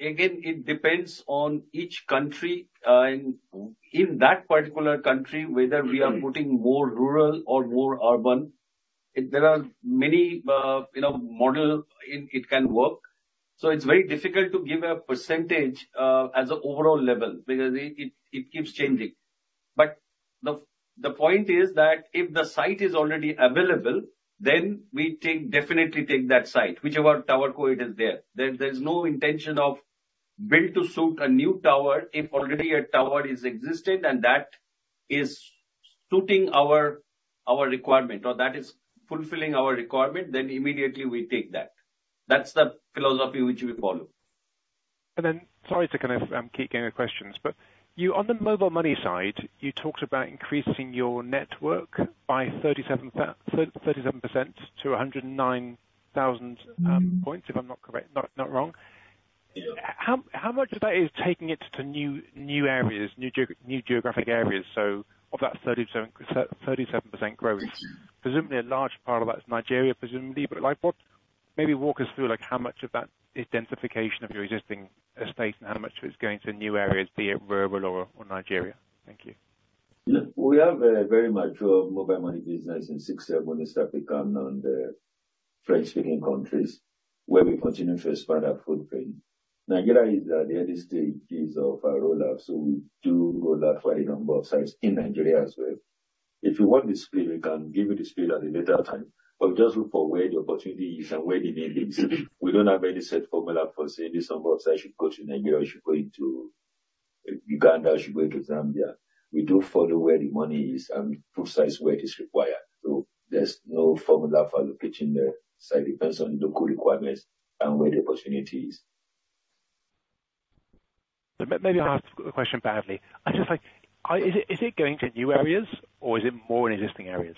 again, it depends on each country. In that particular country, whether we are putting more rural or more urban, there are many models it can work. So it's very difficult to give a percentage as an overall level because it keeps changing. But the point is that if the site is already available, then we definitely take that site, whichever tower co. it is there. There's no intention of build-to-suit a new tower if already a tower is existing and that is suiting our requirement, or that is fulfilling our requirement, then immediately we take that. That's the philosophy which we follow. And then sorry to kind of keep getting the questions. But on the mobile money side, you talked about increasing your network by 37% to 109,000 points, if I'm not wrong. How much of that is taking it to new areas, new geographic areas, so of that 37% growth? Presumably, a large part of that's Nigeria, presumably. But maybe walk us through how much of that is densification of your existing estate and how much of it's going to new areas, be it rural or Nigeria. Thank you. Yeah. Well, we have very much mobile money business in six months that we've gone on the French-speaking countries where we continue to expand our footprint. Nigeria is at the early stages of our rollout. So we do roll out quite a number of sites in Nigeria as well. If you want the split, we can give you the split at a later time. But we just look for where the opportunity is and where the need is. We don't have any set formula for saying this number of sites should go to Nigeria, or should go into Uganda, or should go into Zambia. We do follow where the money is and put sites where it is required. So there's no formula for locating the site. It depends on local requirements and where the opportunity is. Maybe I'll ask the question badly. Is it going to new areas, or is it more in existing areas?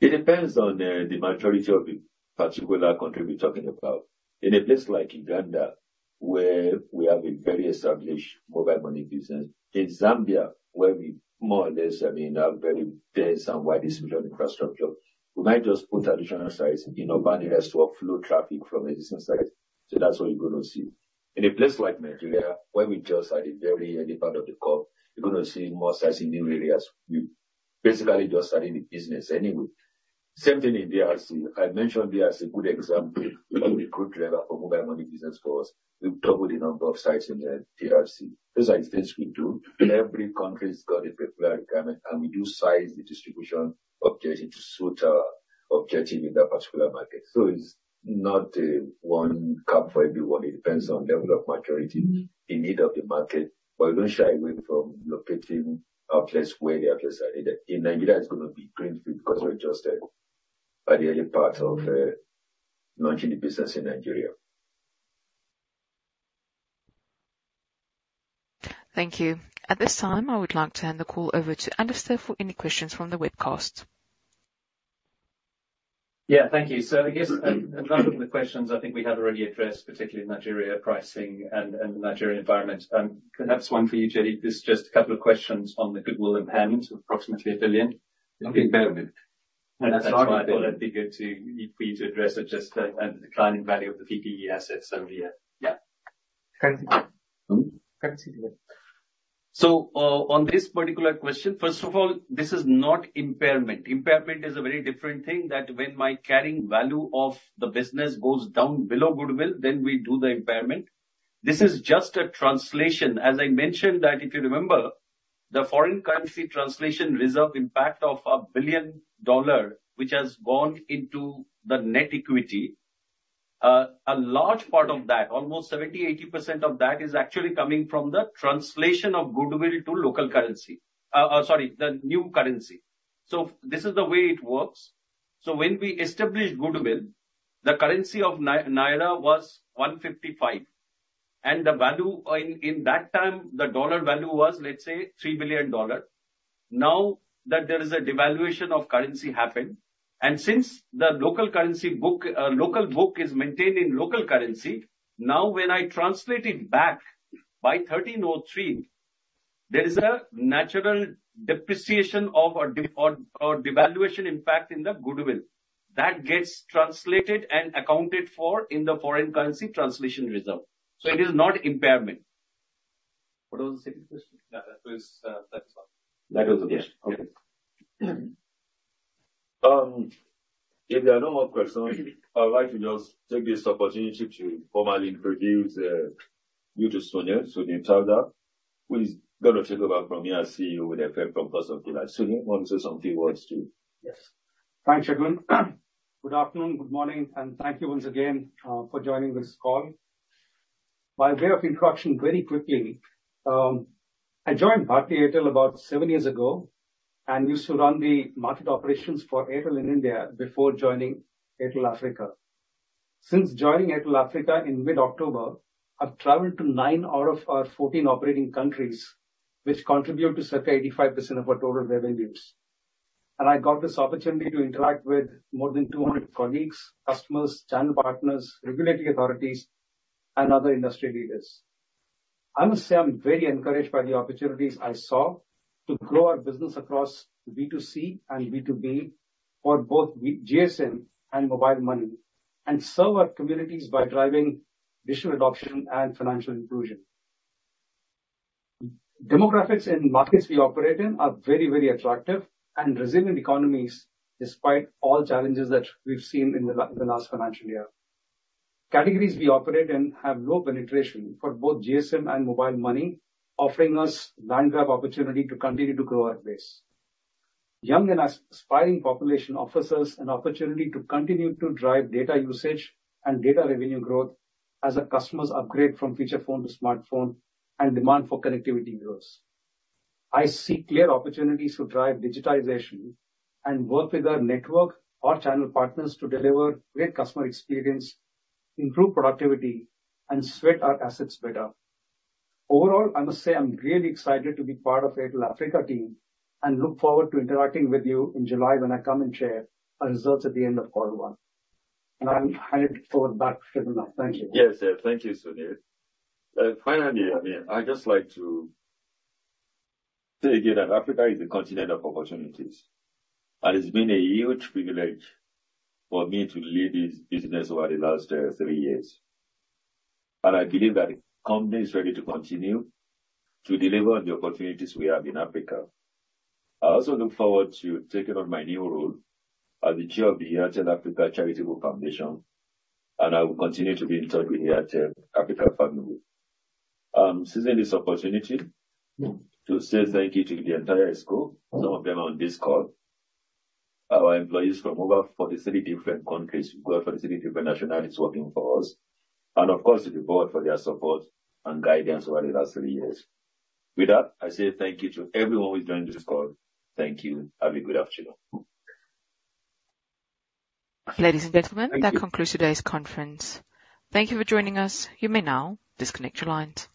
It depends on the majority of the particular country we're talking about. In a place like Uganda, where we have a very established mobile money business, in Zambia, where we more or less, I mean, have very dense and wide distribution infrastructure, we might just put additional sites in urban areas to offload traffic from existing sites. So that's what you're going to see. In a place like Nigeria, where we're just at the very early part of the curve, you're going to see more sites in new areas. We're basically just starting the business anyway. Same thing in DRC. I mentioned DRC as a good example of a revenue driver for mobile money business for us. We've doubled the number of sites in DRC. Those are the things we do. Every country's got a particular requirement. And we do size the distribution objective to suit our objective in that particular market. So it's not one size for everyone. It depends on the level of maturity, the need of the market. But we don't shy away from locating outlets where the outlets are needed. In Nigeria, it's going to be greenfield because we're just at the early part of launching the business in Nigeria. Thank you. At this time, I would like to hand the call over to Alastair for any questions from the webcast. Yeah. Thank you. So I guess a number of the questions I think we have already addressed, particularly Nigeria pricing and the Nigerian environment. Perhaps one for you, Jaideep. There's just a couple of questions on the goodwill impairment of approximately $1 billion. Impairment. That's fine. That's fine. I thought it'd be good for you to address it just and the declining value of the PPE assets over here. Yeah. Thank you. Thank you. So on this particular question, first of all, this is not impairment. Impairment is a very different thing that when my carrying value of the business goes down below goodwill, then we do the impairment. This is just a translation. As I mentioned that, if you remember, the foreign currency translation reserve impact of $1 billion, which has gone into the net equity, a large part of that, almost 70%-80% of that, is actually coming from the translation of goodwill to local currency, sorry, the new currency. So this is the way it works. So when we established goodwill, the currency of naira was 155. And the value in that time, the dollar value was, let's say, $3 billion. Now that there is a devaluation of currency happened, and since the local currency book local book is maintained in local currency, now when I translate it back by 1,303, there is a natural depreciation or devaluation impact in the goodwill that gets translated and accounted for in the foreign currency translation reserve. So it is not impairment. What was the second question? Yeah. That was one. That was the question. Okay. If there are no more questions, I'd like to just take this opportunity to formally introduce you to Sunil, Sunil Taldar, who is going to take over from here there from cost of delay. Sunil, you want to say some few words too? Yes. Thanks, Segun. Good afternoon. Good morning. And thank you once again for joining this call. By way of introduction, very quickly, I joined Bharti Airtel about 7 years ago and used to run the market operations for Airtel in India before joining Airtel Africa. Since joining Airtel Africa in mid-October, I've traveled to 9 out of our 14 operating countries, which contribute to circa 85% of our total revenues. And I got this opportunity to interact with more than 200 colleagues, customers, channel partners, regulatory authorities, and other industry leaders. I must say I'm very encouraged by the opportunities I saw to grow our business across B2C and B2B for both GSM and mobile money and serve our communities by driving digital adoption and financial inclusion. Demographics in markets we operate in are very, very attractive and resilient economies despite all challenges that we've seen in the last financial year. Categories we operate in have low penetration for both GSM and mobile money, offering us land grab opportunity to continue to grow our base. Young and aspiring population offers us an opportunity to continue to drive data usage and data revenue growth as a customer's upgrade from feature phone to smartphone and demand for connectivity grows. I see clear opportunities to drive digitization and work with our network or channel partners to deliver great customer experience, improve productivity, and sweat our assets better. Overall, I must say I'm really excited to be part of the Airtel Africa team and look forward to interacting with you in July when I come and share our results at the end of quarter one. I'll hand it over back to Segun. Thank you. Yes, yeah. Thank you, Sunil. Finally, I mean, I'd just like to say again that Africa is a continent of opportunities. It's been a huge privilege for me to lead this business over the last three years. I believe that the company is ready to continue to deliver on the opportunities we have in Africa. I also look forward to taking on my new role as the chair of the Airtel Africa Charitable Foundation. I will continue to be in touch with the Airtel Africa family. Seizing this opportunity to say thank you to the entire scope, some of them are on this call, our employees from over 43 different countries, who are 43 different nationalities working for us, and, of course, to the board for their support and guidance over the last three years. With that, I say thank you to everyone who's joined this call. Thank you. Have a good afternoon. Ladies and gentlemen, that concludes today's conference. Thank you for joining us. You may now disconnect your lines.